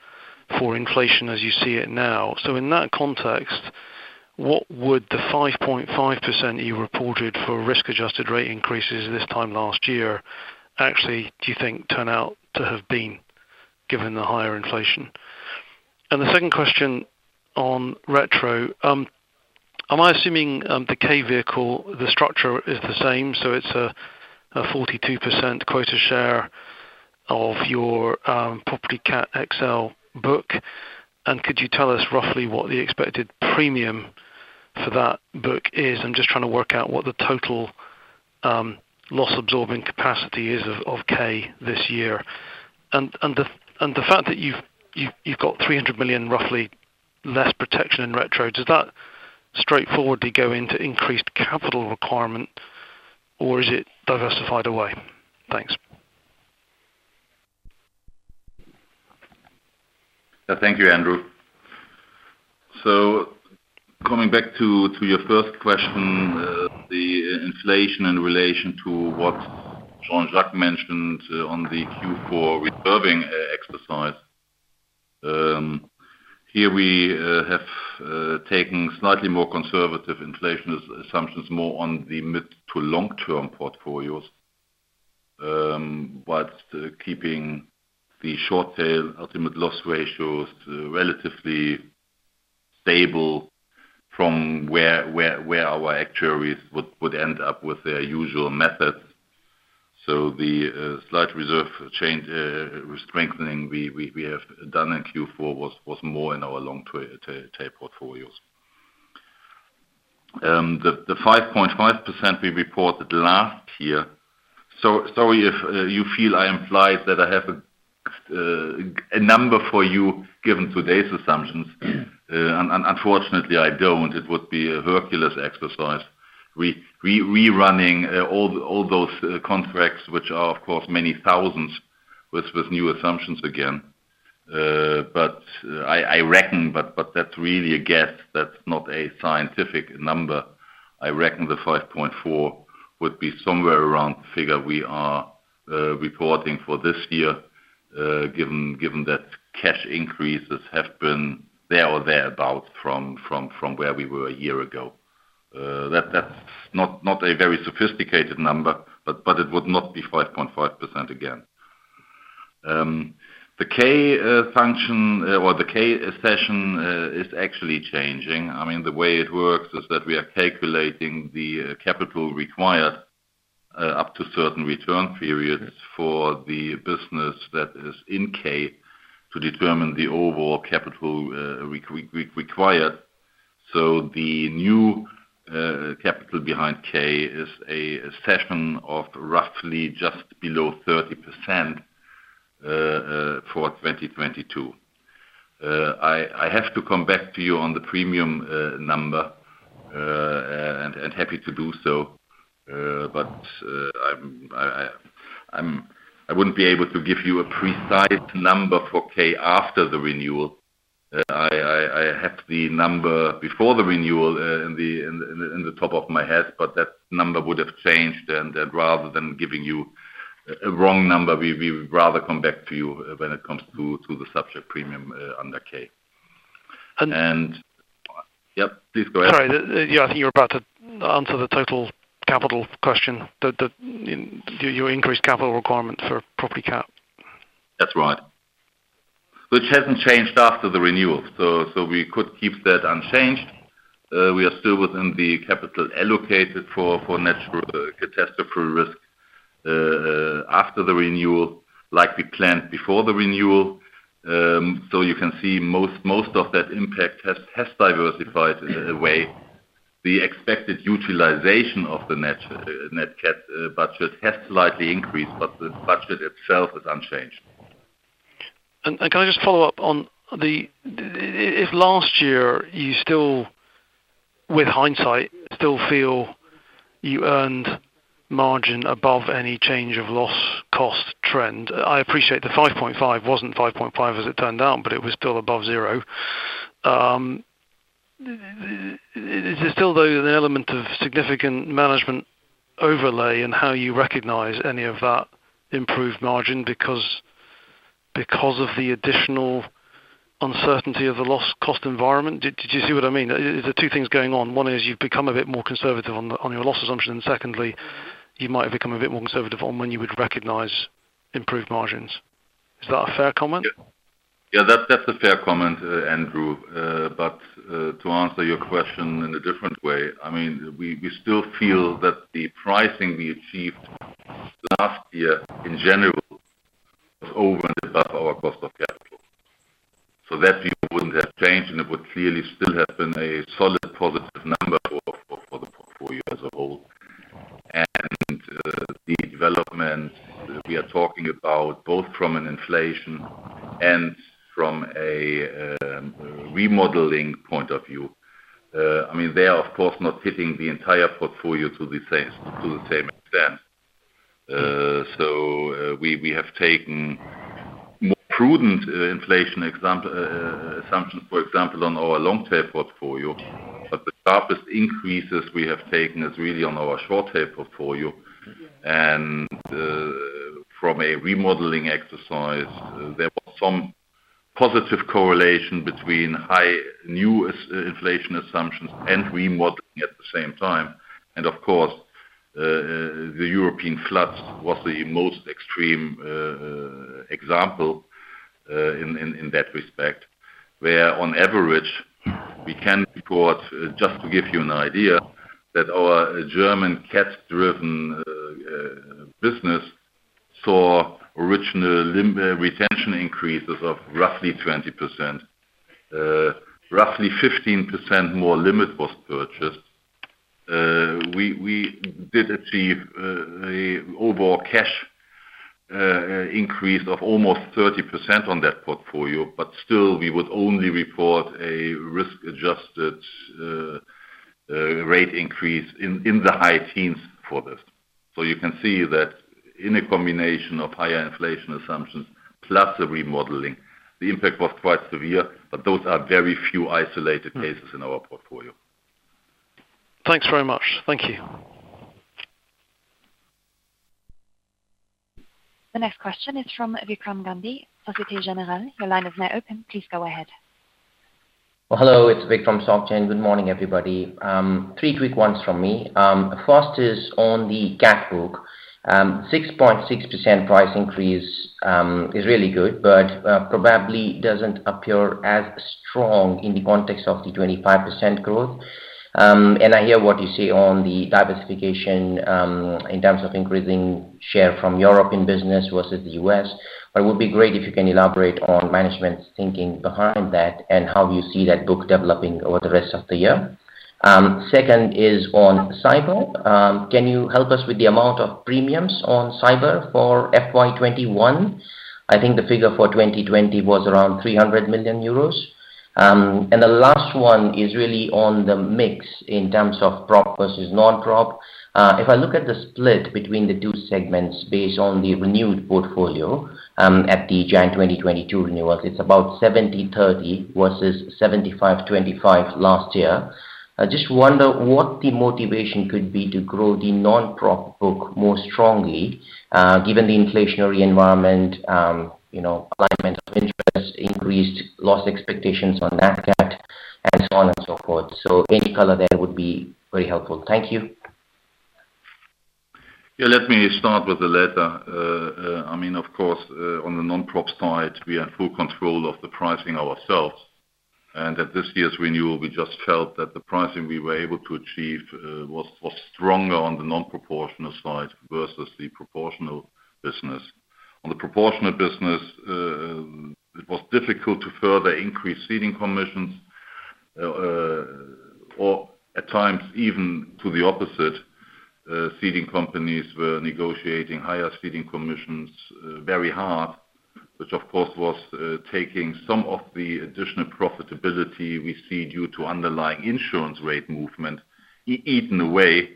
for inflation as you see it now. In that context, what would the 5.5% you reported for risk-adjusted rate increases this time last year actually, do you think, turn out to have been given the higher inflation? The second question on retro, am I assuming the K vehicle, the structure is the same, so it's a 42% quota share of your property cat XL book? Could you tell us roughly what the expected premium for that book is? I'm just trying to work out what the total loss absorbing capacity is of K this year. The fact that you've got 300 million roughly less protection in retro, does that straightforwardly go into increased capital requirement or is it diversified away? Thanks. Thank you, Andrew. Coming back to your first question, the inflation in relation to what Jean-Jacques Henchoz mentioned on the Q4 reserving exercise. Here we have taken slightly more conservative inflation assumptions more on the mid- to long-term portfolios, whilst keeping the short tail ultimate loss ratios relatively stable from where our actuaries would end up with their usual methods. The slight reserve change strengthening we have done in Q4 was more in our long tail portfolios. The 5.5% we reported last year. Sorry if you feel I implied that I have a number for you given today's assumptions. Unfortunately, I don't. It would be a Herculean exercise. We're rerunning all those contracts, which are of course many thousands with new assumptions again. I reckon that's really a guess. That's not a scientific number. I reckon the 5.4% would be somewhere around the figure we are reporting for this year, given that cash increases have been there or thereabout from where we were a year ago. That's not a very sophisticated number, but it would not be 5.5% again. The K function or the K session is actually changing. I mean, the way it works is that we are calculating the capital required up to certain return periods for the business that is in K to determine the overall capital required. The new capital behind K is a cession of roughly just below 30% for 2022. I have to come back to you on the premium number and happy to do so. I wouldn't be able to give you a precise number for K after the renewal. I have the number before the renewal in the top of my head, but that number would have changed. Rather than giving you a wrong number, we would rather come back to you when it comes to the subject premium under K. And- Yep, please go ahead. Sorry. Yeah, I think you're about to answer the total capital question. Your increased capital requirement for property cat. That's right. Which hasn't changed after the renewal. We could keep that unchanged. We are still within the capital allocated for natural catastrophe risk after the renewal, like we planned before the renewal. You can see most of that impact has diversified in a way. The expected utilization of the net cat budget has slightly increased, but the budget itself is unchanged. Can I just follow up on the? If last year you still, with hindsight, still feel you earned margin above any change of loss cost trend? I appreciate the 5.5% wasn't 5.5% as it turned out, but it was still above zero. Is there still though an element of significant management overlay in how you recognize any of that improved margin because of the additional uncertainty of the loss cost environment? Do you see what I mean? There are two things going on. One is you've become a bit more conservative on your loss assumption. Secondly, you might have become a bit more conservative on when you would recognize improved margins. Is that a fair comment? Yeah, that's a fair comment, Andrew. To answer your question in a different way, I mean, we still feel that the pricing we achieved last year in general was over and above our cost of capital. That view wouldn't have changed and it would clearly still have been a solid positive number for the portfolio as a whole. The development we are talking about both from an inflation and from a remodeling point of view, I mean, they are of course not hitting the entire portfolio to the same extent. So, we have taken more prudent inflation, for example, assumptions, for example, on our long tail portfolio. The sharpest increases we have taken is really on our short tail portfolio. From a remodeling exercise, there was some positive correlation between high new asset inflation assumptions and remodeling at the same time. Of course, the European floods was the most extreme example in that respect. Where on average we can report, just to give you an idea, that our German cat-driven business saw original limit retention increases of roughly 20%. Roughly 15% more limit was purchased. We did achieve an overall capacity increase of almost 30% on that portfolio. Still, we would only report a risk-adjusted rate increase in the high teens for this. You can see that in a combination of higher inflation assumptions plus the remodeling, the impact was quite severe. Those are very few isolated cases in our portfolio. Thanks very much. Thank you. The next question is from Vikram Gandhi, Vikram Gandhi. Your line is now open. Please go ahead. Well, hello, it's Vikram from Vikram Gandhi. Good morning, everybody. Three quick ones from me. First is on the cat book. 6.6% price increase is really good, but probably doesn't appear as strong in the context of the 25% growth. I hear what you say on the diversification in terms of increasing share from European business versus the U.S. It would be great if you can elaborate on management's thinking behind that and how you see that book developing over the rest of the year. Second is on Cyber. Can you help us with the amount of premiums on Cyber for FY 2021? I think the figure for 2020 was around 300 million euros. The last one is really on the mix in terms of prop versus non-prop. If I look at the split between the two segments based on the renewed portfolio, at the January 2022 renewal, it's about 70/30 versus 75/25 last year. I just wonder what the motivation could be to grow the non-prop book more strongly, given the inflationary environment, you know, alignment of interest, increased loss expectations on that cat, and so on and so forth. Any color there would be very helpful. Thank you. Yeah, let me start with the latter. I mean, of course, on the non-prop side, we had full control of the pricing ourselves. At this year's renewal, we just felt that the pricing we were able to achieve was stronger on the non-proportional side versus the proportional business. On the proportional business, it was difficult to further increase ceding commissions or at times even to the opposite, ceding companies were negotiating higher ceding commissions very hard. Which of course was taking some of the additional profitability we see due to underlying insurance rate movement eaten away.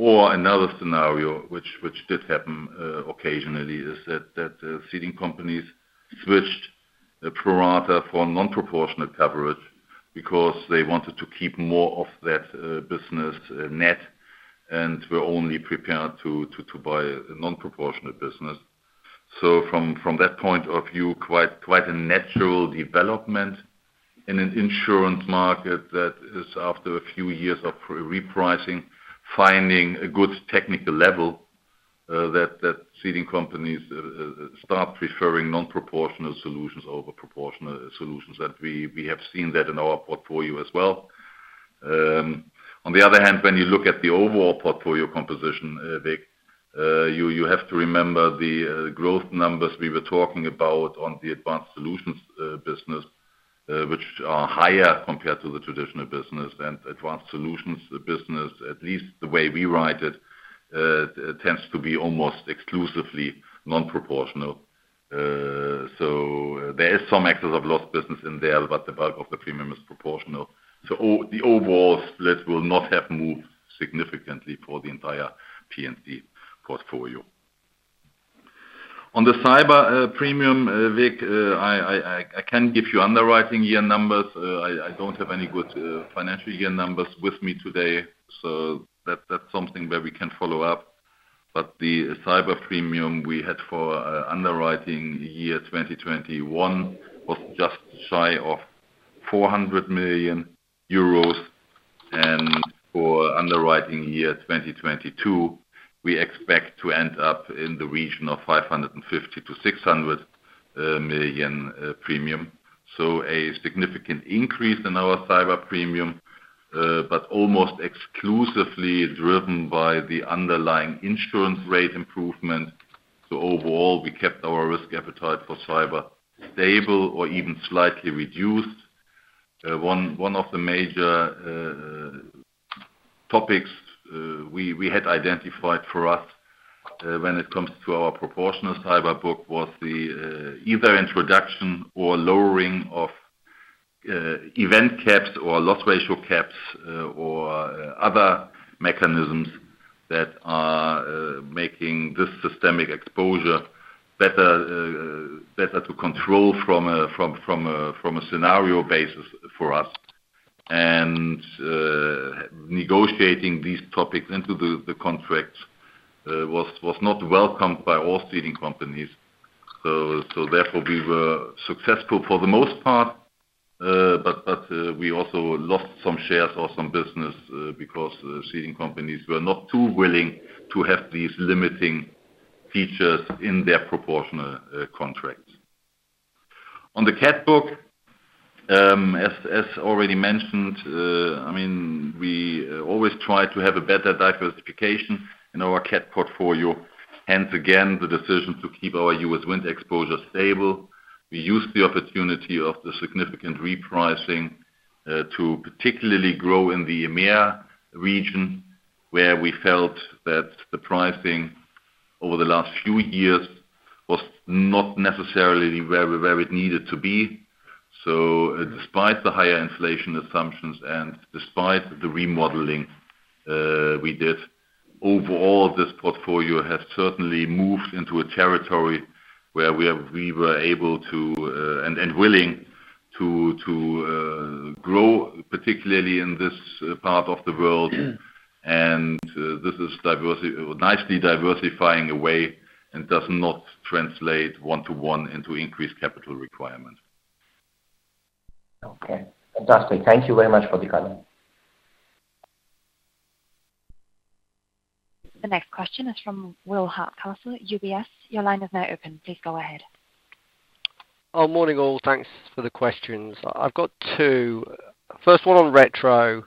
Another scenario which did happen occasionally is that ceding companies switched the pro rata for non-proportional coverage because they wanted to keep more of that business net and were only prepared to buy a non-proportional business. From that point of view, quite a natural development in an insurance market that is after a few years of repricing, finding a good technical level, that ceding companies start preferring non-proportional solutions over proportional solutions. We have seen that in our portfolio as well. On the other hand, when you look at the overall portfolio composition, Vic, you have to remember the growth numbers we were talking about on the Advanced Solutions business, which are higher compared to the traditional business. Advanced Solutions business, at least the way we write it, tends to be almost exclusively non-proportional. So there is some excess of loss business in there, but the bulk of the premium is proportional. The overall split will not have moved significantly for the entire P&C portfolio. On the Cyber premium, Vic, I can give you underwriting year numbers. I don't have any good financial year numbers with me today, so that's something where we can follow up. But the Cyber premium we had for underwriting year 2021 was just shy of 400 million euros. For underwriting year 2022, we expect to end up in the region of 550 million-600 million premium. A significant increase in our Cyber premium, but almost exclusively driven by the underlying insurance rate improvement. Overall, we kept our risk appetite for Cyber stable or even slightly reduced. One of the major topics we had identified for us when it comes to our proportional Cyber book was the either introduction or lowering of event caps or loss ratio caps or other mechanisms that are making this systemic exposure better to control from a scenario basis for us. Negotiating these topics into the contracts was not welcomed by all ceding companies. We were successful for the most part, but we also lost some shares or some business because the ceding companies were not too willing to have these limiting features in their proportional contracts. On the cat book, as already mentioned, I mean, we always try to have a better diversification in our cat portfolio. Hence, again, the decision to keep our U.S. wind exposure stable. We used the opportunity of the significant repricing to particularly grow in the EMEA region, where we felt that the pricing over the last few years was not necessarily where it needed to be. Despite the higher inflation assumptions and despite the remodeling we did, overall, this portfolio has certainly moved into a territory where we were able to and willing to grow, particularly in this part of the world. This is nicely diversifying away and does not translate one-to-one into increased capital requirements. Okay. Fantastic. Thank you very much for the color. The next question is from Will Hardcastle at UBS. Your line is now open. Please go ahead. Good morning, all. Thanks for the questions. I've got two. First one on retro.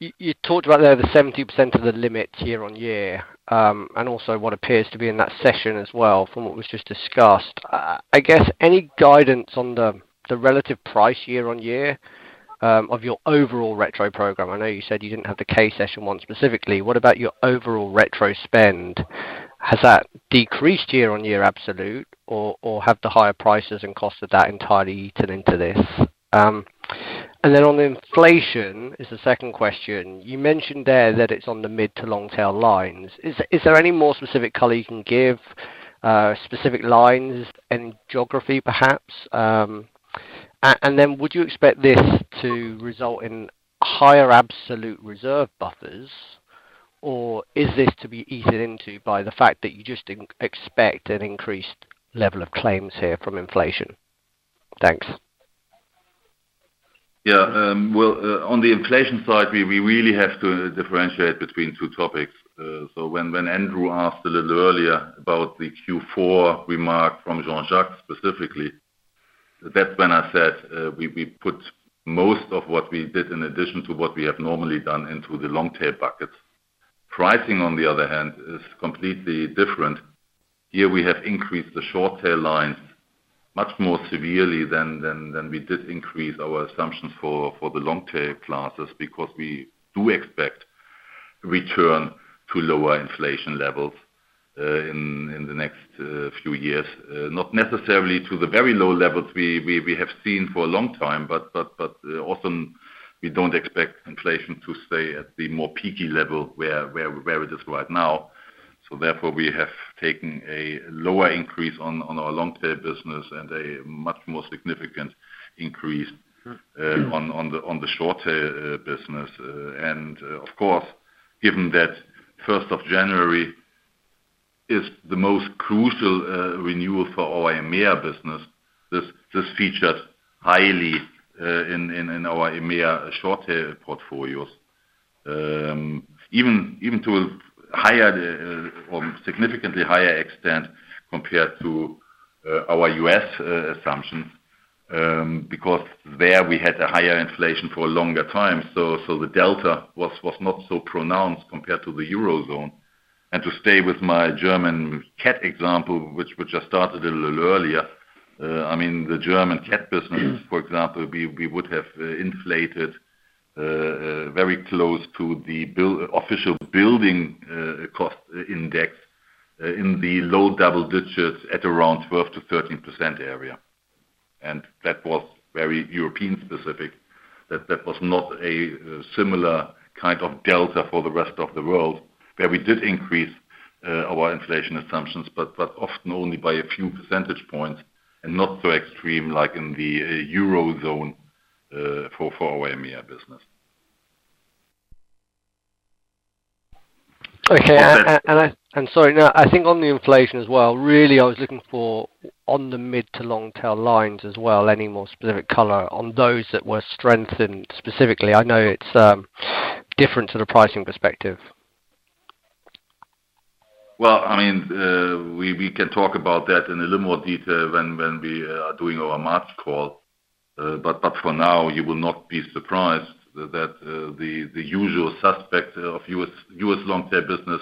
You talked about over 70% of the limits year-over-year, and also what appears to be in that session as well from what was just discussed. I guess any guidance on the relative price year-over-year of your overall retro program? I know you said you didn't have the cat session one specifically. What about your overall retro spend? Has that decreased year-over-year absolute or have the higher prices and costs of that entirely eaten into this? And then on inflation is the second question. You mentioned there that it's on the mid- to long-tail lines. Is there any more specific color you can give, specific lines and geography perhaps? would you expect this to result in higher absolute reserve buffers, or is this to be eaten into by the fact that you just expect an increased level of claims here from inflation? Thanks. Yeah. Well, on the inflation side, we really have to differentiate between two topics. When Andrew asked a little earlier about the Q4 remark from Jean-Jacques Henchoz specifically, that's when I said, we put most of what we did in addition to what we have normally done into the long tail buckets. Pricing, on the other hand, is completely different. Here we have increased the short tail lines much more severely than we did increase our assumptions for the long tail classes, because we do expect return to lower inflation levels in the next few years. Not necessarily to the very low levels we have seen for a long time, but often we don't expect inflation to stay at the more peaky level where it is right now. Therefore, we have taken a lower increase on our long tail business and a much more significant increase on the short tail business. Of course, given that first of January is the most crucial renewal for our EMEA business, this featured highly in our EMEA short tail portfolios. Even to a higher or significantly higher extent compared to our U.S. assumptions, because there we had a higher inflation for a longer time. The delta was not so pronounced compared to the Eurozone. To stay with my German cat example, which I started a little earlier, I mean, the German cat business, for example, we would have inflated very close to the official building cost index in the low double digits at around 12%-13% area. That was very European specific. That was not a similar kind of delta for the rest of the world, where we did increase our inflation assumptions, but often only by a few percentage points and not so extreme like in the Eurozone for our EMEA business. Okay. Okay. Sorry. No, I think on the inflation as well. Really, I was looking for on the mid- to long-tail lines as well, any more specific color on those that were strengthened specifically. I know it's different to the pricing perspective. Well, I mean, we can talk about that in a little more detail when we are doing our March call. For now, you will not be surprised that the usual suspect of U.S. long tail business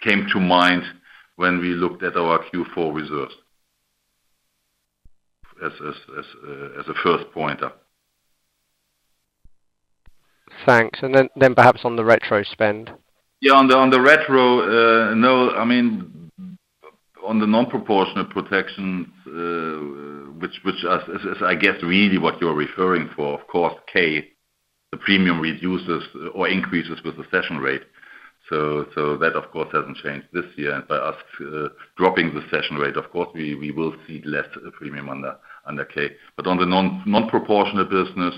came to mind when we looked at our Q4 reserves. As a first pointer. Thanks. Perhaps on the retro spend. On the non-proportional protections, which as I guess really what you're referring to, of course, K, the premium reduces or increases with the cession rate. That of course hasn't changed this year. By us dropping the cession rate, of course, we will see less premium under K. But on the non-proportional business,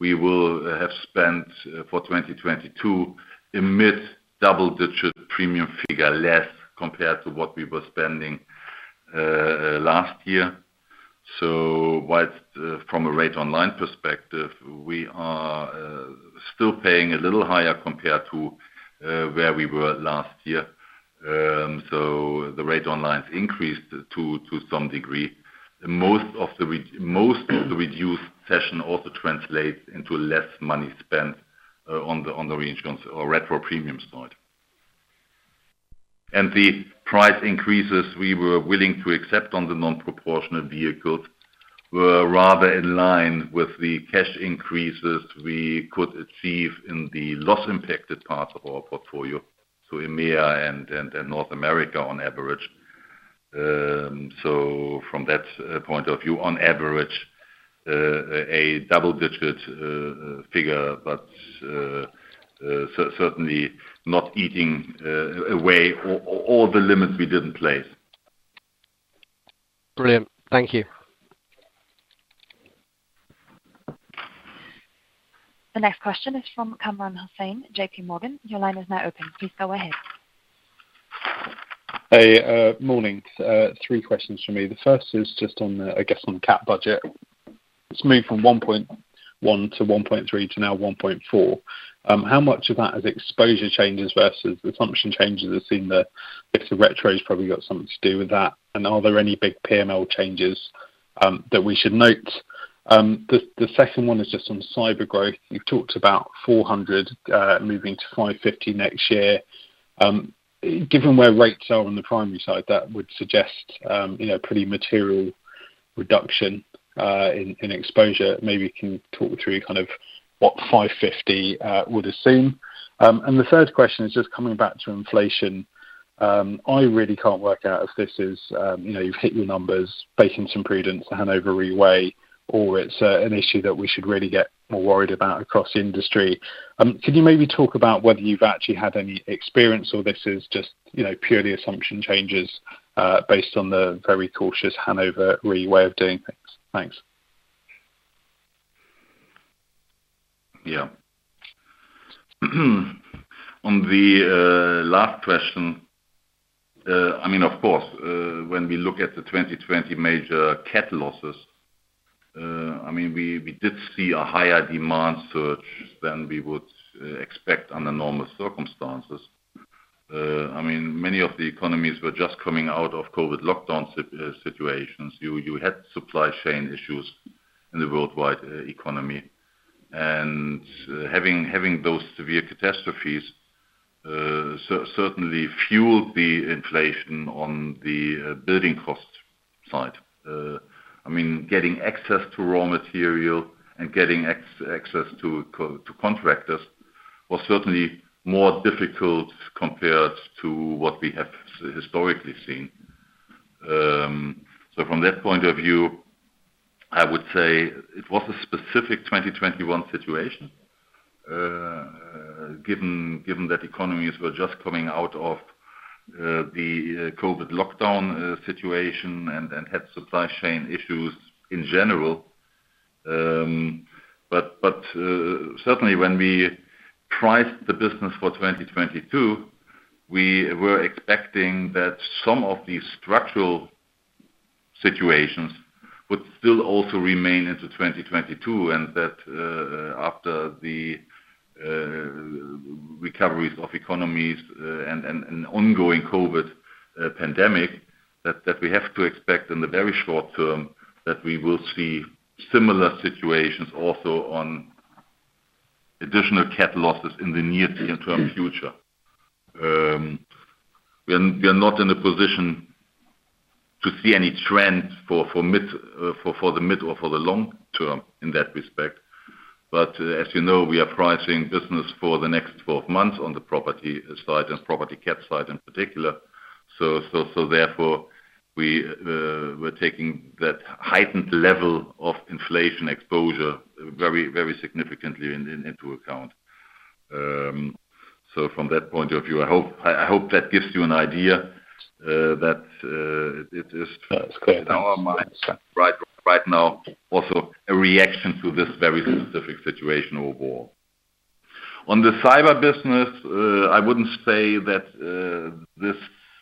we will have spent for 2022 a mid double digit premium figure less compared to what we were spending last year. Whilst from a rate on line perspective, we are still paying a little higher compared to where we were last year. The rate on line increased to some degree. Most of the reduced cession also translates into less money spent on the reinsurance or retro premiums side. The price increases we were willing to accept on the non-proportional vehicles were rather in line with the cash increases we could achieve in the loss impacted part of our portfolio. EMEA and North America on average. From that point of view, on average, a double-digit figure, but certainly not eating away all the limits we didn't place. Brilliant. Thank you. The next question is from Kamran Hossain, JPMorgan. Your line is now open. Please go ahead. Hey. Morning. Three questions from me. The first is just on the, I guess, on cat budget. It's moved from 1.1 to 1.3 to now 1.4. How much of that is exposure changes versus assumption changes? It seems that bits of retro has probably got something to do with that. And are there any big PML changes that we should note? The second one is just on Cyber growth. You've talked about 400 moving to 550 next year. Given where rates are on the primary side, that would suggest you know, pretty material reduction in exposure. Maybe you can talk through kind of what 550 would assume. And the third question is just coming back to inflation. I really can't work out if this is, you know, you've hit your numbers baking some prudence, a Hannover Re way, or it's, an issue that we should really get more worried about across the industry. Could you maybe talk about whether you've actually had any experience or this is just, you know, purely assumption changes, based on the very cautious Hannover Re way of doing things? Thanks. Yeah. On the last question. I mean, of course, when we look at the 2020 major cat losses, I mean, we did see a higher demand surge than we would expect under normal circumstances. I mean, many of the economies were just coming out of COVID lockdown situations. You had supply chain issues in the worldwide economy. Having those severe catastrophes certainly fueled the inflation on the building cost side. I mean, getting access to raw material and getting access to contractors was certainly more difficult compared to what we have historically seen. From that point of view, I would say it was a specific 2021 situation, given that economies were just coming out of the COVID lockdown situation and had supply chain issues in general. Certainly when we priced the business for 2022, we were expecting that some of these structural situations would still also remain into 2022. That after the recoveries of economies and ongoing COVID pandemic, that we have to expect in the very short term that we will see similar situations also on additional cat losses in the near to interim future. We are not in a position to see any trends for the mid or for the long term in that respect. As you know, we are pricing business for the next 12 months on the property side and property cat side in particular. Therefore we are taking that heightened level of inflation exposure very significantly into account. From that point of view, I hope that gives you an idea that it is. That's great. In our minds, right now, also a reaction to this very specific situation overall. On the cyber business, I wouldn't say that this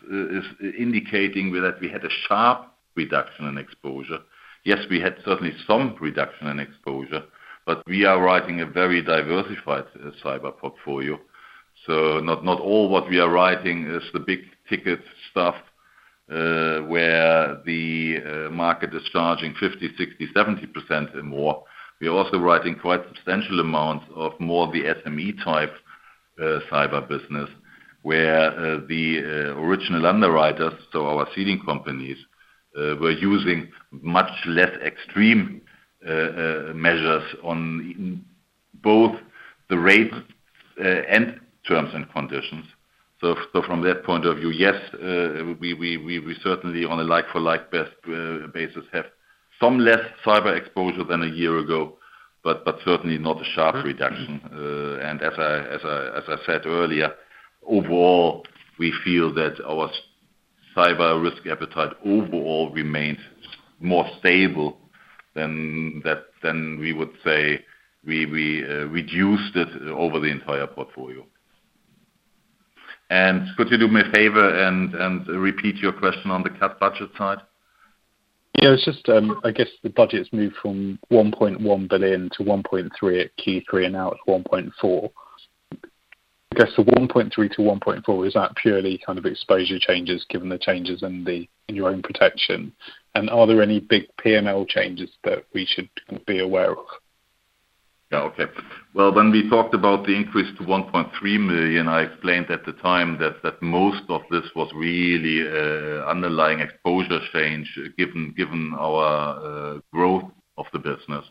is indicating that we had a sharp reduction in exposure. Yes, we had certainly some reduction in exposure, but we are writing a very diversified cyber portfolio. Not all what we are writing is the big ticket stuff, where the market is charging 50, 60, 70% more. We are also writing quite substantial amounts of more of the SME type cyber business, where the original underwriters, so our ceding companies, were using much less extreme measures on both the rate and terms and conditions. From that point of view, yes, we certainly on a like for like basis have some less Cyber exposure than a year ago. Certainly not a sharp reduction. As I said earlier, overall, we feel that our Cyber risk appetite overall remains more stable than that than we would say we reduced it over the entire portfolio. Could you do me a favor and repeat your question on the CAT budget side? Yeah, it's just, I guess the budget's moved from 1.1 billion to 1.3 billion at Q3, and now it's 1.4 billion. I guess the 1.3 to 1.4, is that purely kind of exposure changes given the changes in the, in your own protection? And are there any big P&L changes that we should be aware of? Yeah. Okay. Well, when we talked about the increase to 1.3 million, I explained at the time that most of this was really underlying exposure change given our growth of the business.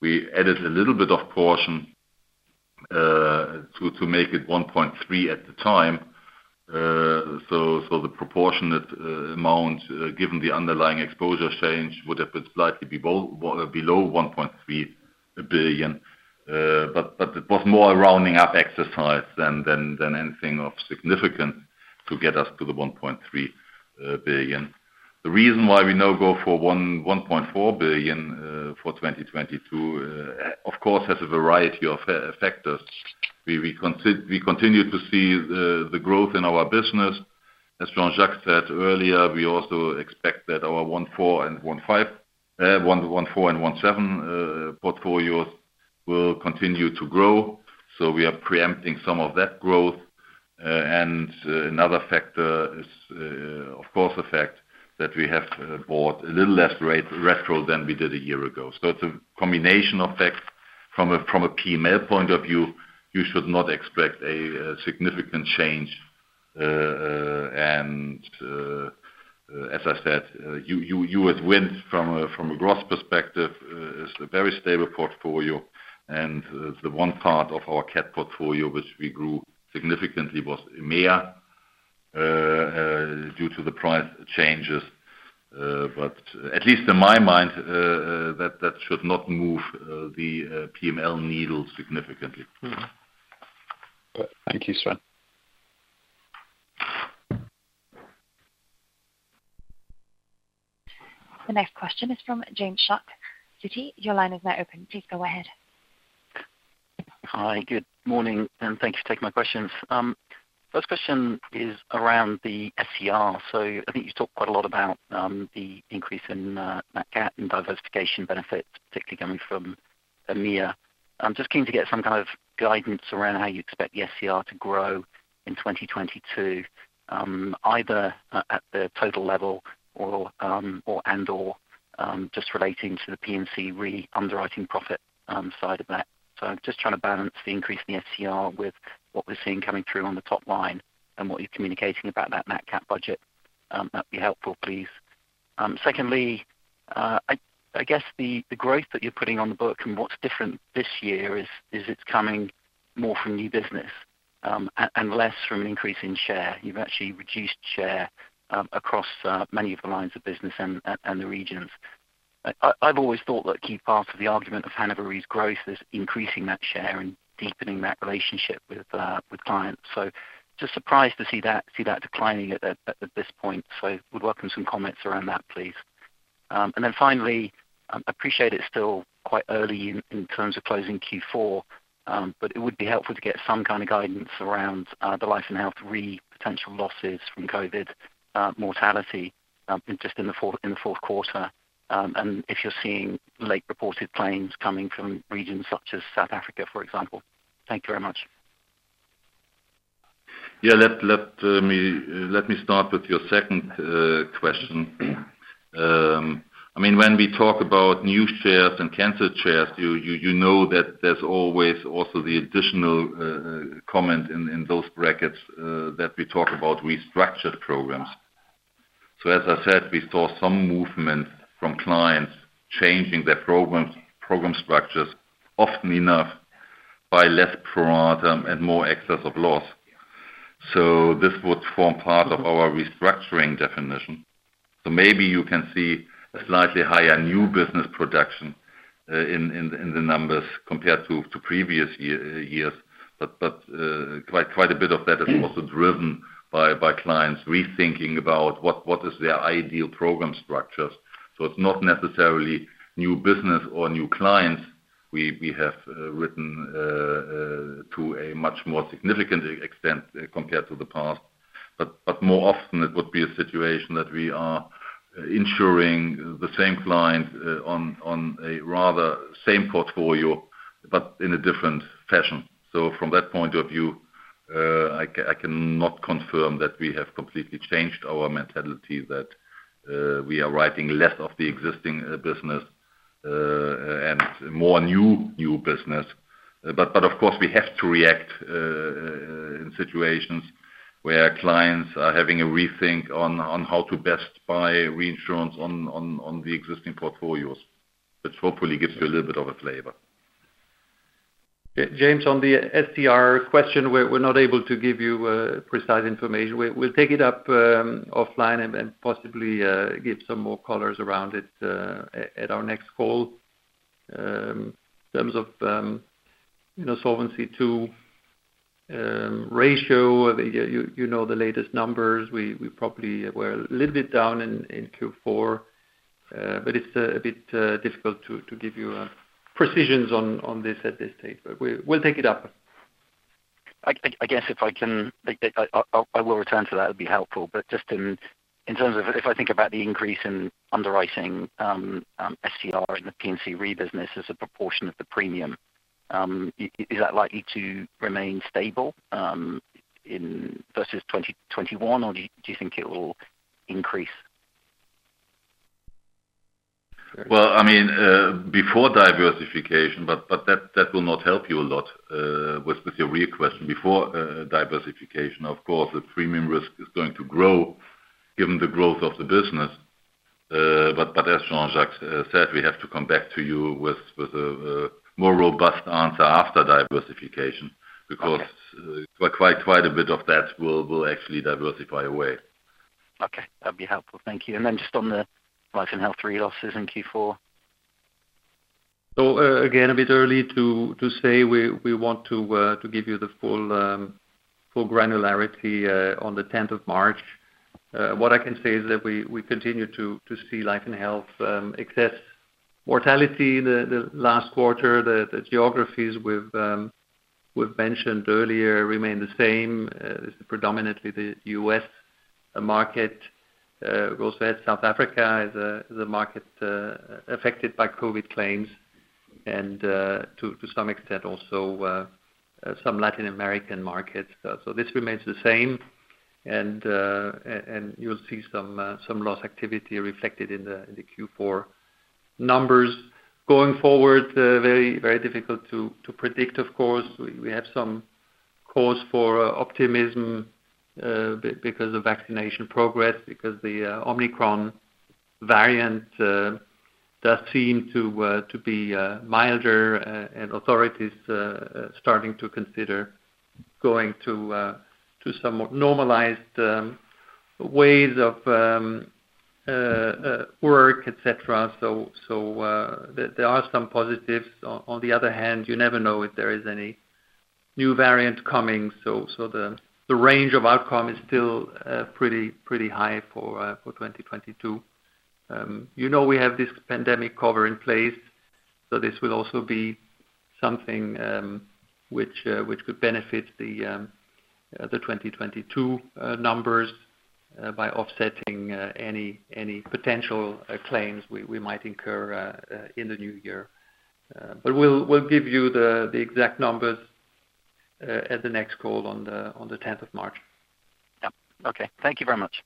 We added a little bit of portion to make it 1.3 at the time. The proportionate amount given the underlying exposure change would have been slightly below 1.3 billion. It was more a rounding up exercise than anything of significance to get us to the 1.3 billion. The reason why we now go for 1.4 billion for 2022 of course has a variety of factors. We continue to see the growth in our business. As Jean-Jacques said earlier, we also expect that our 114 and 115, 114 and 117 portfolios will continue to grow, so we are preempting some of that growth. Another factor is, of course, the fact that we have bought a little less retro than we did a year ago. It's a combination of factors. From a P&L point of view, you should not expect a significant change. As I said, tailwind from a growth perspective is a very stable portfolio, and the one part of our cat portfolio which we grew significantly was EMEA due to the price changes. But at least in my mind, that should not move the P&L needle significantly. Mm-hmm. Thank you, Sven. The next question is from James Shuck, Citi. Your line is now open. Please go ahead. Hi, good morning, and thank you for taking my questions. First question is around the SCR. I think you talked quite a lot about the increase in that gap in diversification benefits, particularly coming from EMEA. I'm just keen to get some kind of guidance around how you expect the SCR to grow in 2022, either at the total level or and/or just relating to the P&C re-underwriting profit side of that. Just trying to balance the increase in the SCR with what we're seeing coming through on the top line and what you're communicating about that CAT budget, that'd be helpful, please. Secondly, I guess the growth that you're putting on the book and what's different this year is it's coming more from new business and less from an increase in share. You've actually reduced share across many of the lines of business and the regions. I've always thought that a key part of the argument of Hannover Re's growth is increasing that share and deepening that relationship with clients. Just surprised to see that declining at this point. Would welcome some comments around that, please. Finally, I appreciate it's still quite early in terms of closing Q4, but it would be helpful to get some kind of guidance around the Life & Health re potential losses from COVID mortality, just in the fourth quarter. If you're seeing late reported claims coming from regions such as South Africa, for example. Thank you very much. Yeah. Let me start with your second question. I mean, when we talk about new shares and canceled shares, you know that there's always also the additional comment in those brackets that we talk about restructured programs. As I said, we saw some movement from clients changing their programs, program structures often enough by less pro rata and more excess of loss. This would form part of our restructuring definition. Maybe you can see a slightly higher new business production in the numbers compared to previous years. Quite a bit of that is also driven by clients rethinking about what is their ideal program structures. It's not necessarily new business or new clients we have written to a much more significant extent compared to the past. More often it would be a situation that we are insuring the same clients on a rather same portfolio, but in a different fashion. From that point of view, I cannot confirm that we have completely changed our mentality that we are writing less of the existing business and more new business. Of course we have to react in situations where clients are having a rethink on how to best buy reinsurance on the existing portfolios. This hopefully gives you a little bit of a flavor. James, on the SCR question, we're not able to give you precise information. We'll take it up offline and possibly give some more colors around it at our next call. In terms of, you know, Solvency II ratio, you know the latest numbers. We probably were a little bit down in Q4, but it's a bit difficult to give you precisions on this at this stage. We'll take it up. I guess if I can, I will return to that. It'll be helpful. Just in terms of if I think about the increase in underwriting SCR in the P&C re business as a proportion of the premium, is that likely to remain stable in versus 2021, or do you think it will increase? Well, I mean, before diversification, but that will not help you a lot with your real question. Before diversification, of course, the premium risk is going to grow given the growth of the business. As Jean-Jacques said, we have to come back to you with a more robust answer after diversification because- Okay. Quite a bit of that will actually diversify away. Okay, that'd be helpful. Thank you. Just on the Life and Health re losses in Q4? Again, a bit early to say. We want to give you the full granularity on the tenth of March. What I can say is that we continue to see Life and Health excess mortality the last quarter. The geographies we've mentioned earlier remain the same. Predominantly the U.S. market. We also had South Africa as a market affected by COVID claims and to some extent also some Latin American markets. This remains the same and you'll see some loss activity reflected in the Q4 numbers. Going forward, very difficult to predict, of course. We have some cause for optimism because of vaccination progress, because the Omicron variant does seem to be milder, and authorities starting to consider going to some more normalized ways of work, et cetera. There are some positives. On the other hand, you never know if there is any new variant coming. The range of outcome is still pretty high for 2022. You know, we have this pandemic cover in place, so this will also be something which could benefit the 2022 numbers by offsetting any potential claims we might incur in the new year. We'll give you the exact numbers at the next call on the tenth of March. Yeah. Okay. Thank you very much.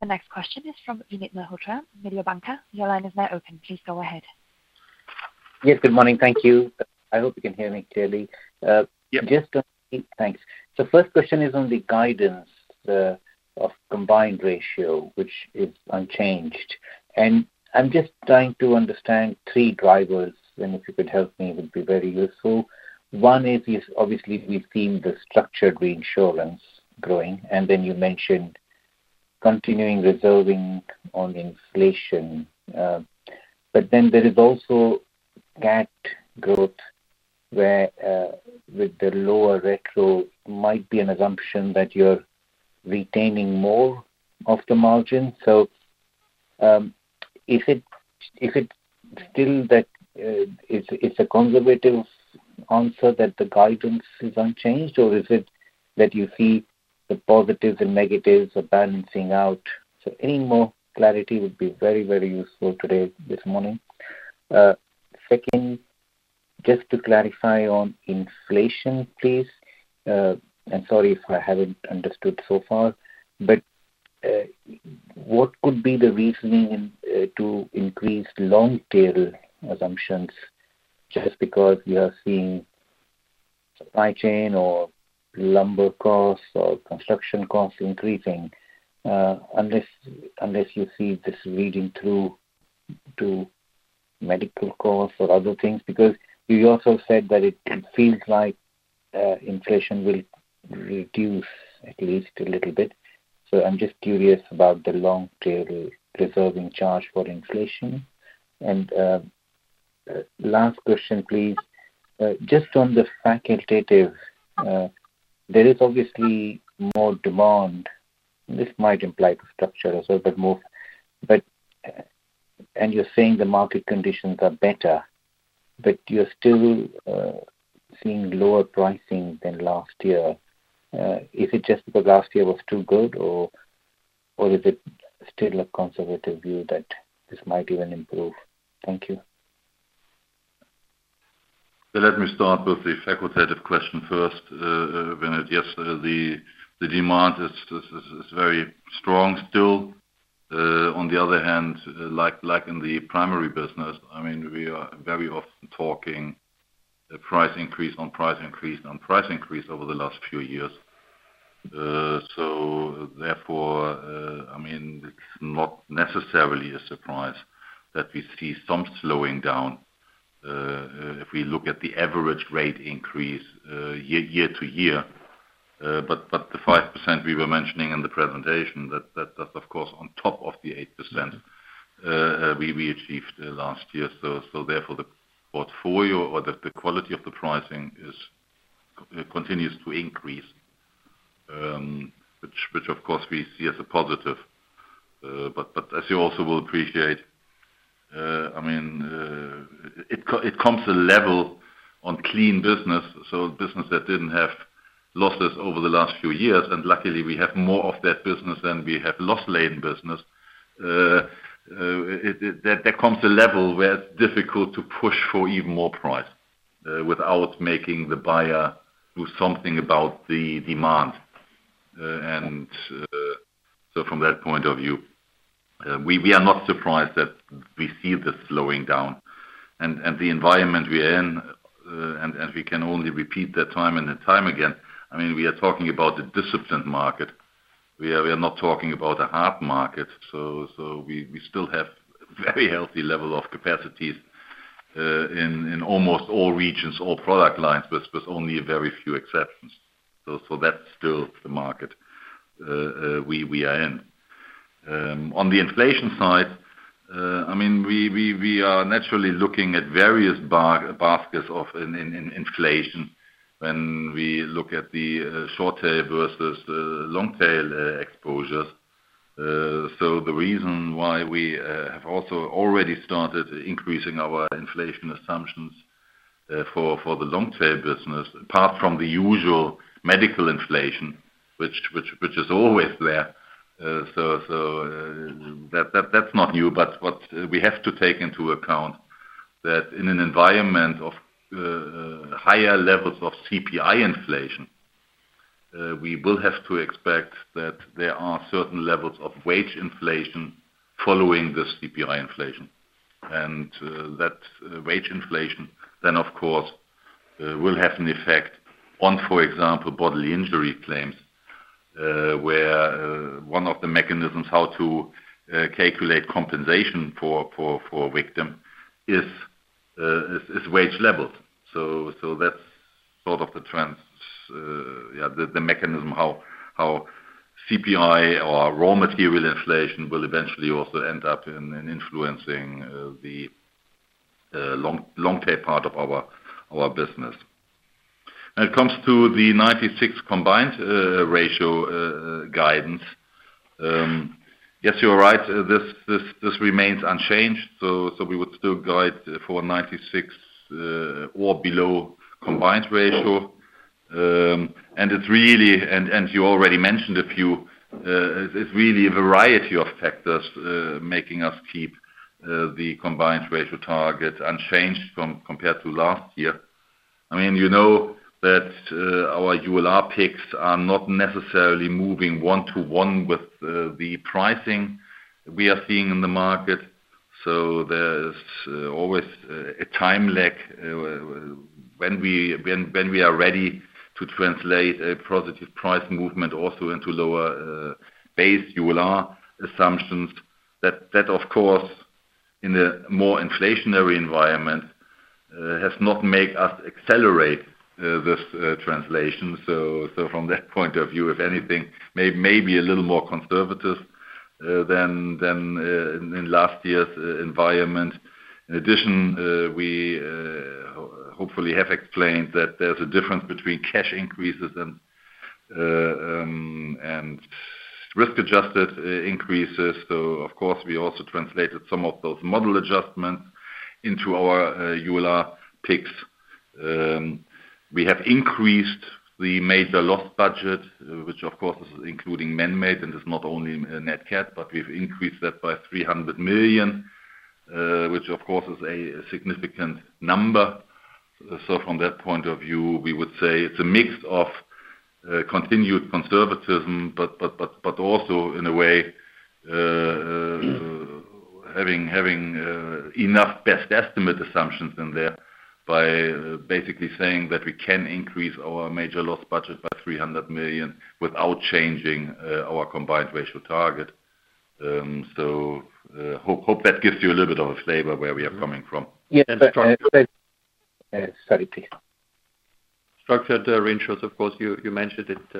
The next question is from Vinit Malhotra, Mediobanca. Your line is now open. Please go ahead. Yes. Good morning. Thank you. I hope you can hear me clearly. Yeah. Just thanks. First question is on the guidance of combined ratio, which is unchanged. I'm just trying to understand three drivers, and if you could help me, it would be very useful. One is obviously we've seen the structured reinsurance growing, and then you mentioned continuing reserving on inflation. But then there is also cat growth where with the lower retro might be an assumption that you're retaining more of the margin. Is it still that it's a conservative answer that the guidance is unchanged, or is it that you see the positives and negatives are balancing out? Any more clarity would be very, very useful today, this morning. Second, just to clarify on inflation, please. Sorry if I haven't understood so far, but what could be the reasoning to increase long tail assumptions just because you are seeing supply chain or lumber costs or construction costs increasing? Unless you see this reading through to medical costs or other things. You also said that it feels like inflation will reduce at least a little bit. I'm just curious about the long tail reserving charge for inflation. Last question, please. Just on the facultative, there is obviously more demand. This might imply to structure as well, you're saying the market conditions are better, but you're still seeing lower pricing than last year. Is it just because last year was too good, or is it still a conservative view that this might even improve? Thank you. Let me start with the facultative question first. Vinit, yes, the demand is very strong still. On the other hand, like in the primary business, I mean, we are very often talking price increase on price increase on price increase over the last few years. Therefore, I mean, it's not necessarily a surprise that we see some slowing down if we look at the average rate increase year-over-year. The 5% we were mentioning in the presentation, that's of course on top of the 8% we achieved last year. Therefore the portfolio or the quality of the pricing continues to increase, which of course we see as a positive. As you also will appreciate, I mean, it comes at a level on clean business, so business that didn't have losses over the last few years. Luckily, we have more of that business than we have loss-laden business. There comes a level where it's difficult to push for even more price without making the buyer do something about the demand. From that point of view, we are not surprised that we see this slowing down. The environment we're in, and we can only repeat that time and time again. I mean, we are talking about the disciplined market. We are not talking about a hard market. We still have very healthy level of capacities in almost all regions or product lines with only a very few exceptions. That's still the market we are in. On the inflation side, I mean, we are naturally looking at various baskets of inflation when we look at the short tail versus long tail exposures. The reason why we have also already started increasing our inflation assumptions for the long tail business, apart from the usual medical inflation, which is always there, so that's not new. What we have to take into account that in an environment of higher levels of CPI inflation, we will have to expect that there are certain levels of wage inflation following the CPI inflation. That wage inflation then of course will have an effect on, for example, bodily injury claims, where one of the mechanisms how to calculate compensation for victim is wage level. That's sort of the trends. The mechanism how CPI or raw material inflation will eventually also end up in influencing the long tail part of our business. When it comes to the 96 combined ratio guidance. Yes, you are right. This remains unchanged. We would still guide for 96 or below combined ratio. And it's really and you already mentioned a few. It's really a variety of factors making us keep the combined ratio target unchanged compared to last year. I mean, you know that our ULR picks are not necessarily moving one to one with the pricing we are seeing in the market. There is always a time lag when we are ready to translate a positive price movement also into lower base ULR assumptions. That of course, in a more inflationary environment, has not made us accelerate this translation. From that point of view, if anything, maybe a little more conservative than in last year's environment. In addition, we hopefully have explained that there's a difference between cash increases and risk-adjusted increases. Of course, we also translated some of those model adjustments into our ULR picks. We have increased the major loss budget, which of course is including man-made, and it's not only net cat, but we've increased that by 300 million, which of course is a significant number. From that point of view, we would say it's a mix of continued conservatism, but also in a way, having enough best estimate assumptions in there by basically saying that we can increase our major loss budget by 300 million without changing our combined ratio target. Hope that gives you a little bit of a flavor where we are coming from. Yeah. structured- Sorry, please. Structured reinsurers, of course, you mentioned it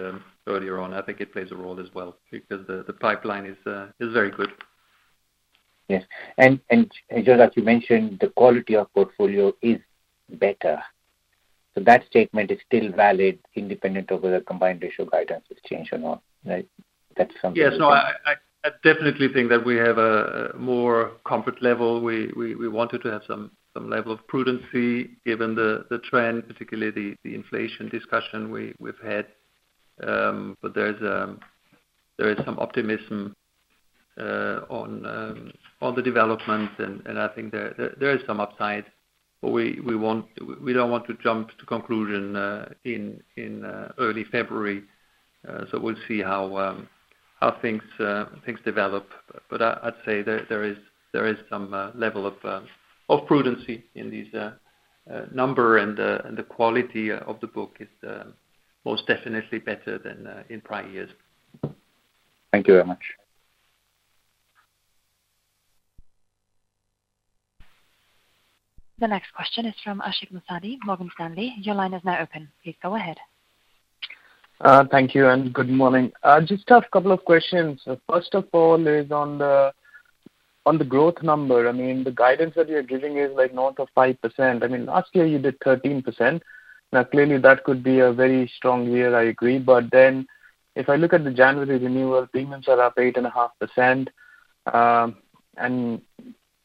earlier on. I think it plays a role as well because the pipeline is very good. Yes. Just as you mentioned, the quality of portfolio is better. That statement is still valid independent of whether combined ratio guidance has changed or not, right? That's something. Yes. No, I definitely think that we have a higher comfort level. We wanted to have some level of prudence given the trend, particularly the inflation discussion we've had. There is some optimism on the development and I think there is some upside. We don't want to jump to conclusions in early February. We'll see how things develop. I'd say there is some level of prudence in these numbers. The quality of the book is most definitely better than in prior years. Thank you very much. The next question is from Vinit Malhotra, Morgan Stanley. Your line is now open. Please go ahead. Thank you, and good morning. I just have a couple of questions. First of all is on the growth number. I mean, the guidance that you're giving is like north of 5%. I mean, last year you did 13%. Now, clearly that could be a very strong year, I agree. If I look at the January renewal, premiums are up 8.5%. And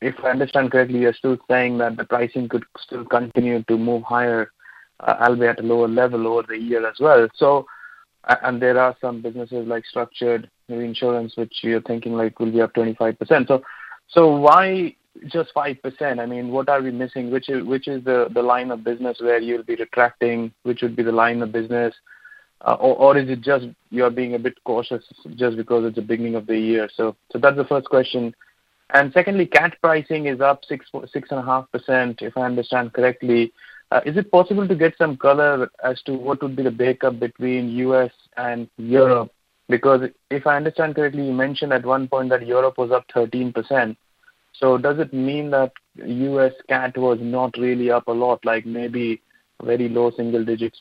if I understand correctly, you're still saying that the pricing could still continue to move higher, albeit at a lower level over the year as well. And there are some businesses like structured insurance, which you're thinking like will be up 25%. So why just 5%? I mean, what are we missing? Which is the line of business where you'll be contracting? Which would be the line of business? Or is it just you're being a bit cautious just because it's the beginning of the year? That's the first question. Secondly, CAT pricing is up 6.5%, if I understand correctly. Is it possible to get some color as to what would be the breakdown between U.S. and Europe? Because if I understand correctly, you mentioned at one point that Europe was up 13%. Does it mean that U.S. CAT was not really up a lot, like maybe very low single digits?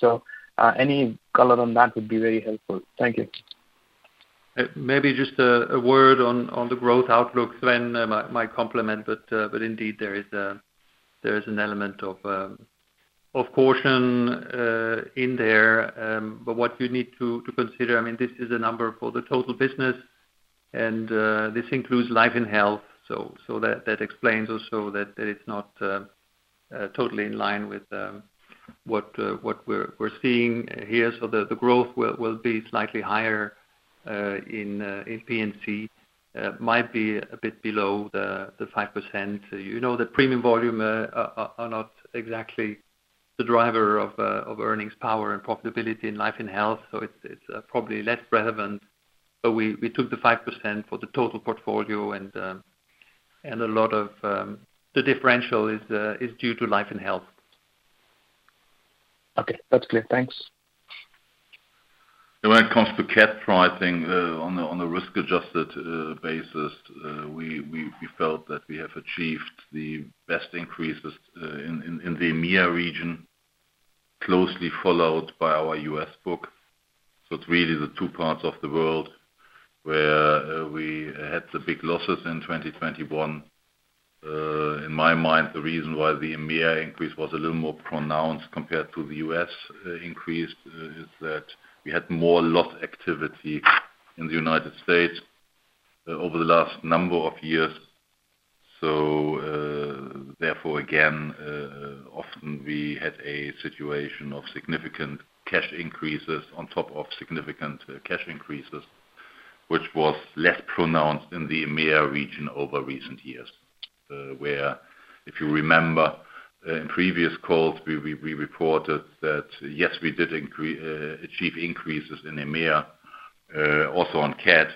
Any color on that would be very helpful. Thank you. Maybe just a word on the growth outlook, Sven, might complement, but indeed there is an element of caution in there. What you need to consider, I mean, this is a number for the total business, and this includes life and health. That explains also that it's not totally in line with what we're seeing here. The growth will be slightly higher in P&C. Might be a bit below the 5%. You know, the premium volume are not exactly the driver of earnings power and profitability in life and health, so it's probably less relevant. We took the 5% for the total portfolio, and a lot of the differential is due to Life and Health. Okay. That's clear. Thanks. When it comes to CAT pricing, on the risk-adjusted basis, we felt that we have achieved the best increases in the EMEA region, closely followed by our U.S. book. It's really the two parts of the world where we had the big losses in 2021. In my mind, the reason why the EMEA increase was a little more pronounced compared to the U.S. increase is that we had more loss activity in the United States over the last number of years. Therefore, again, often we had a situation of significant rate increases on top of significant rate increases, which was less pronounced in the EMEA region over recent years. Where if you remember in previous calls, we reported that, yes, we did achieve increases in EMEA, also on CAT,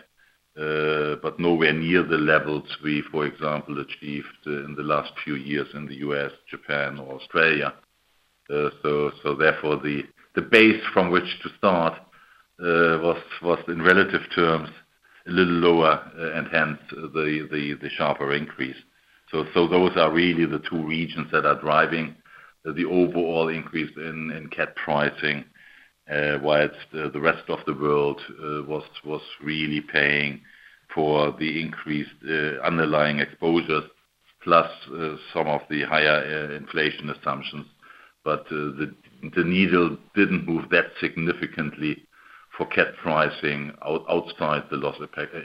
but nowhere near the levels we, for example, achieved in the last few years in the U.S., Japan or Australia. Therefore the base from which to start was in relative terms a little lower, and hence the sharper increase. Those are really the two regions that are driving the overall increase in CAT pricing. While the rest of the world was really paying for the increased underlying exposures plus some of the higher inflation assumptions. The needle didn't move that significantly for CAT pricing outside the loss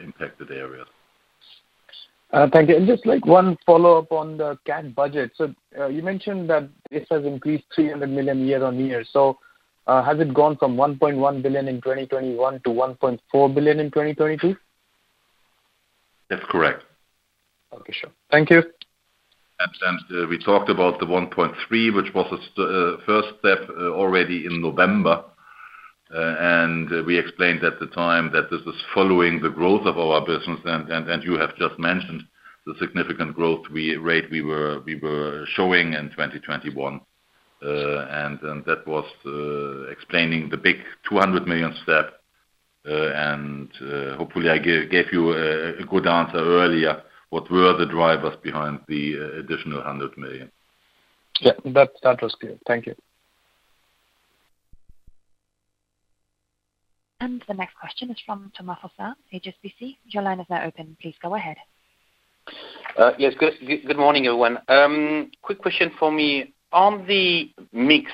impacted areas. Thank you. Just like one follow-up on the CAT budget. You mentioned that this has increased 300 million year-over-year. Has it gone from 1.1 billion in 2021 to 1.4 billion in 2022? That's correct. Okay. Sure. Thank you. We talked about the 1.3, which was a first step already in November. We explained at the time that this was following the growth of our business. You have just mentioned the significant growth rate we were showing in 2021. That was explaining the big 200 million step. Hopefully I gave you a good answer earlier. What were the drivers behind the additional 100 million. Yeah, that was clear. Thank you. The next question is from Thomas Fossard, HSBC. Your line is now open. Please go ahead. Good morning, everyone. Quick question for me. On the mix,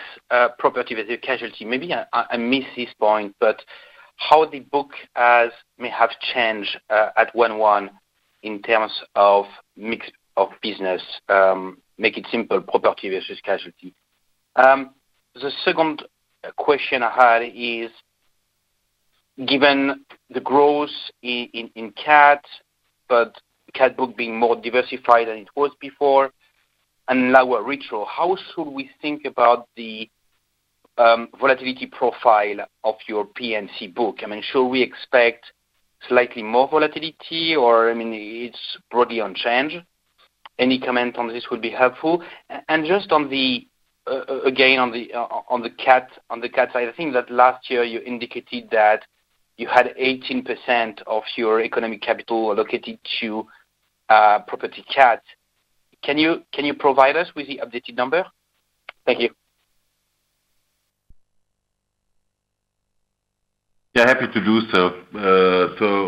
property versus casualty, maybe I missed this point, but how the book may have changed at 1-1 in terms of mix of business. Make it simple, property versus casualty. The second question I had is given the growth in CAT, but CAT book being more diversified than it was before and lower retro, how should we think about the volatility profile of your P&C book. I mean, should we expect slightly more volatility or, I mean, it's broadly unchanged. Any comment on this would be helpful. Just on the cat side, I think that last year you indicated that you had 18% of your economic capital allocated to property cat. Can you provide us with the updated number? Thank you. Yeah, happy to do so.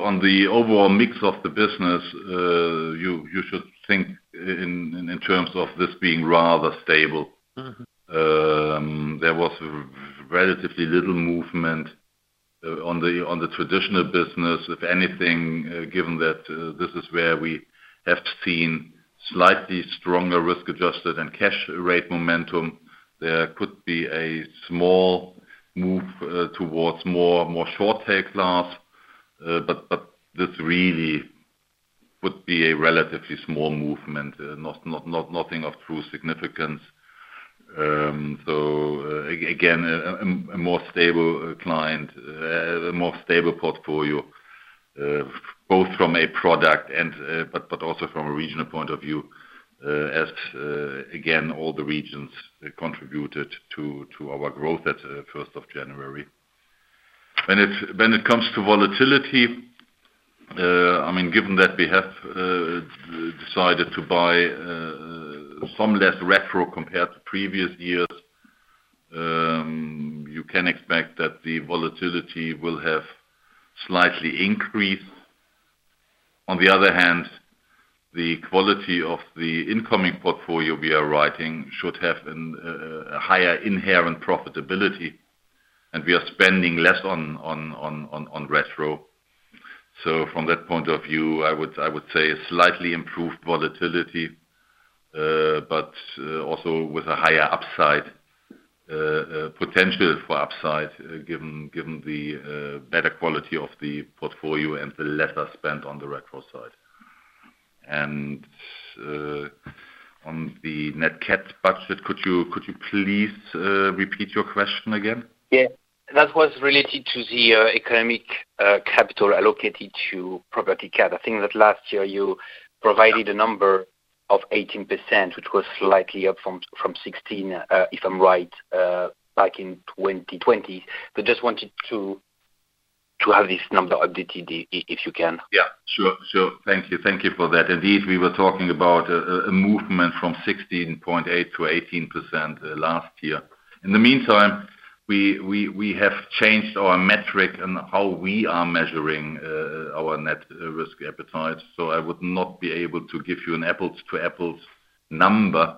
On the overall mix of the business, you should think in terms of this being rather stable. Mm-hmm. There was relatively little movement on the traditional business. If anything, given that this is where we have seen slightly stronger risk-adjusted and cat rate momentum. There could be a small move towards more short tail class. This really would be a relatively small movement, not nothing of true significance. Again, a more stable client, a more stable portfolio, both from a product and but also from a regional point of view. Again, all the regions contributed to our growth at first of January. When it comes to volatility, I mean, given that we have decided to buy some less retro compared to previous years, you can expect that the volatility will have slightly increased. On the other hand, the quality of the incoming portfolio we are writing should have a higher inherent profitability, and we are spending less on retro. So from that point of view, I would say slightly improved volatility, but also with a higher upside potential for upside, given the better quality of the portfolio and the lesser spent on the retro side. On the net cat budget, could you please repeat your question again? Yeah. That was related to the economic capital allocated to property cat. I think that last year you provided a number of 18%, which was slightly up from 16%, if I'm right, back in 2020. Just wanted to have this number updated if you can. Yeah. Sure. Thank you for that. Indeed, we were talking about a movement from 16.8% to 18% last year. In the meantime, we have changed our metric and how we are measuring our net risk appetite, so I would not be able to give you an apples-to-apples number.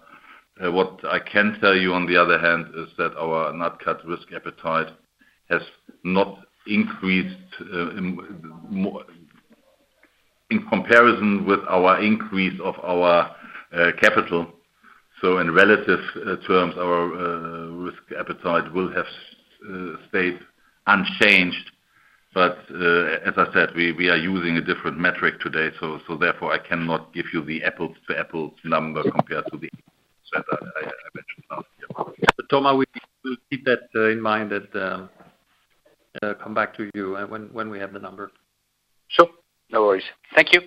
What I can tell you on the other hand is that our net cat risk appetite has not increased in comparison with our increase of our capital. In relative terms, our risk appetite will have stayed unchanged. As I said, we are using a different metric today, so therefore, I cannot give you the apples-to-apples number compared to the one I mentioned last year. Thomas, we will keep that in mind and come back to you when we have the number. Sure. No worries. Thank you.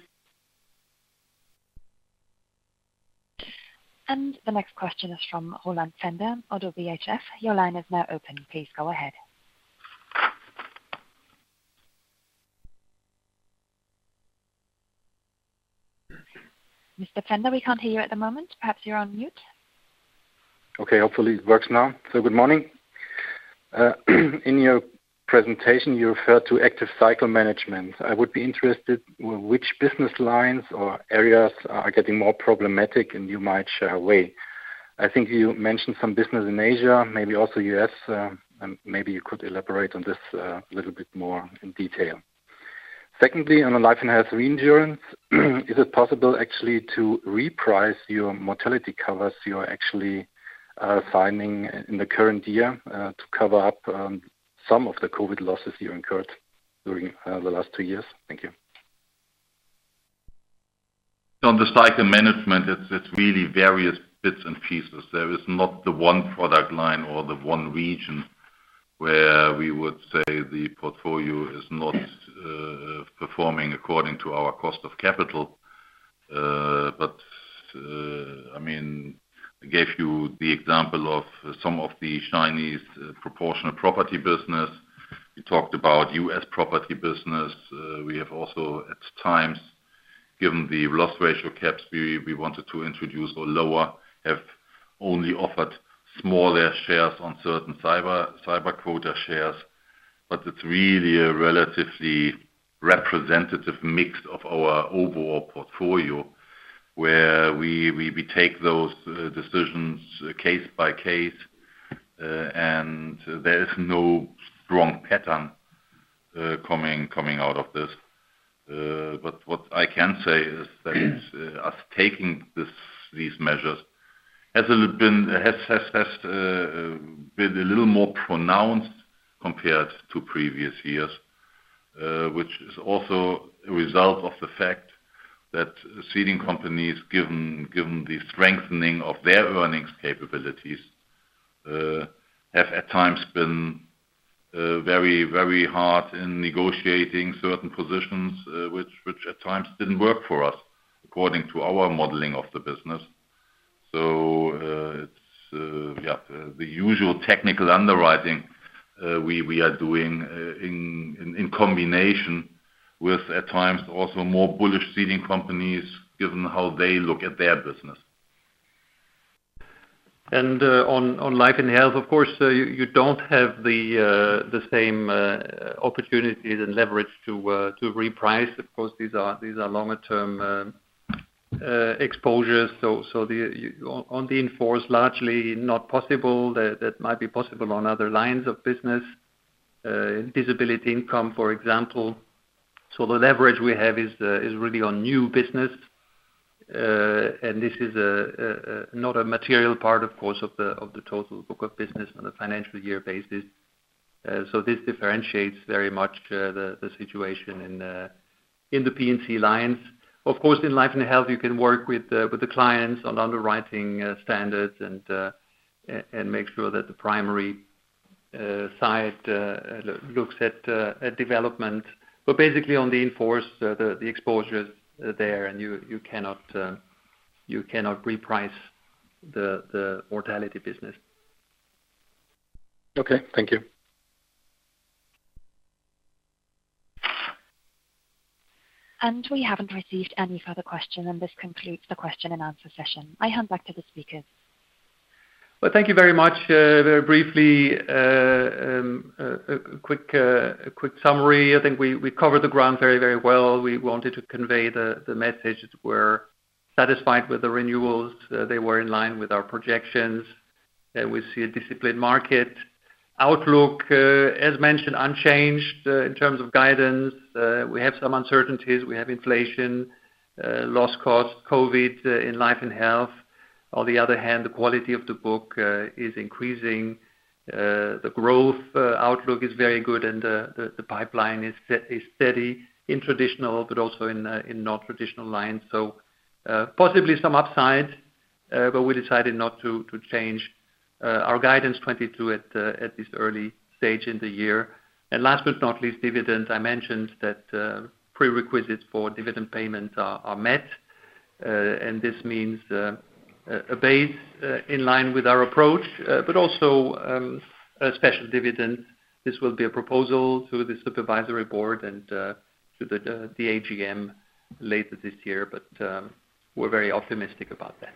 The next question is from Roland Pfänder, ODDO BHF. Your line is now open. Please go ahead. Mr. Pfänder, we can't hear you at the moment. Perhaps you're on mute. Okay, hopefully it works now. Good morning. In your presentation, you referred to active cycle management. I would be interested which business lines or areas are getting more problematic, and you might shave away. I think you mentioned some business in Asia, maybe also U.S., and maybe you could elaborate on this a little bit more in detail. Secondly, on the Life and Health reinsurance, is it possible actually to reprice your mortality covers you are actually signing in the current year to cover up some of the COVID losses you incurred during the last two years? Thank you. On the cycle management, it's really various bits and pieces. There is not the one product line or the one region where we would say the portfolio is not performing according to our cost of capital. I mean, I gave you the example of some of the Chinese proportional property business. We talked about U.S. property business. We have also, at times, given the loss ratio caps we wanted to introduce or lower, have only offered smaller shares on certain cyber quota shares. It's really a relatively representative mix of our overall portfolio, where we take those decisions case by case, and there is no strong pattern coming out of this. What I can say is that our taking these measures has been a little more pronounced compared to previous years. Which is also a result of the fact that ceding companies, given the strengthening of their earnings capabilities, have at times been very hard in negotiating certain positions, which at times didn't work for us according to our modeling of the business. It's yeah, the usual technical underwriting we are doing in combination with, at times, also more bullish ceding companies, given how they look at their business. On life and health, of course, you don't have the same opportunities and leverage to reprice. Of course, these are longer-term exposures. On the in-force, largely not possible. That might be possible on other lines of business. Disability income, for example. The leverage we have is really on new business. And this is not a material part of course of the total book of business on a financial year basis. This differentiates very much the situation in the P&C lines. Of course, in Life and Health, you can work with the clients on underwriting standards and make sure that the primary side looks at development. Basically on the in-force, the exposure is there and you cannot reprice the mortality business. Okay. Thank you. We haven't received any further questions, and this concludes the question and answer session. I hand back to the speakers. Well, thank you very much. Very briefly, a quick summary. I think we covered the ground very well. We wanted to convey the message. We're satisfied with the renewals. They were in line with our projections. We see a disciplined market. Outlook, as mentioned, unchanged in terms of guidance. We have some uncertainties. We have inflation, loss costs, COVID, in Life and Health. On the other hand, the quality of the book is increasing. The growth outlook is very good, and the pipeline is steady in traditional but also in non-traditional lines. Possibly some upside, but we decided not to change our guidance 2022 at this early stage in the year. Last but not least, dividends. I mentioned that prerequisites for dividend payments are met. This means a base in line with our approach, but also a special dividend. This will be a proposal to the supervisory board and to the AGM later this year. We're very optimistic about that.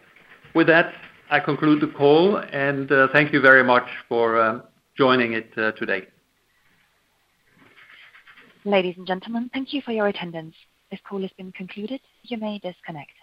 With that, I conclude the call, and thank you very much for joining it today. Ladies and gentlemen, thank you for your attendance. This call has been concluded. You may disconnect.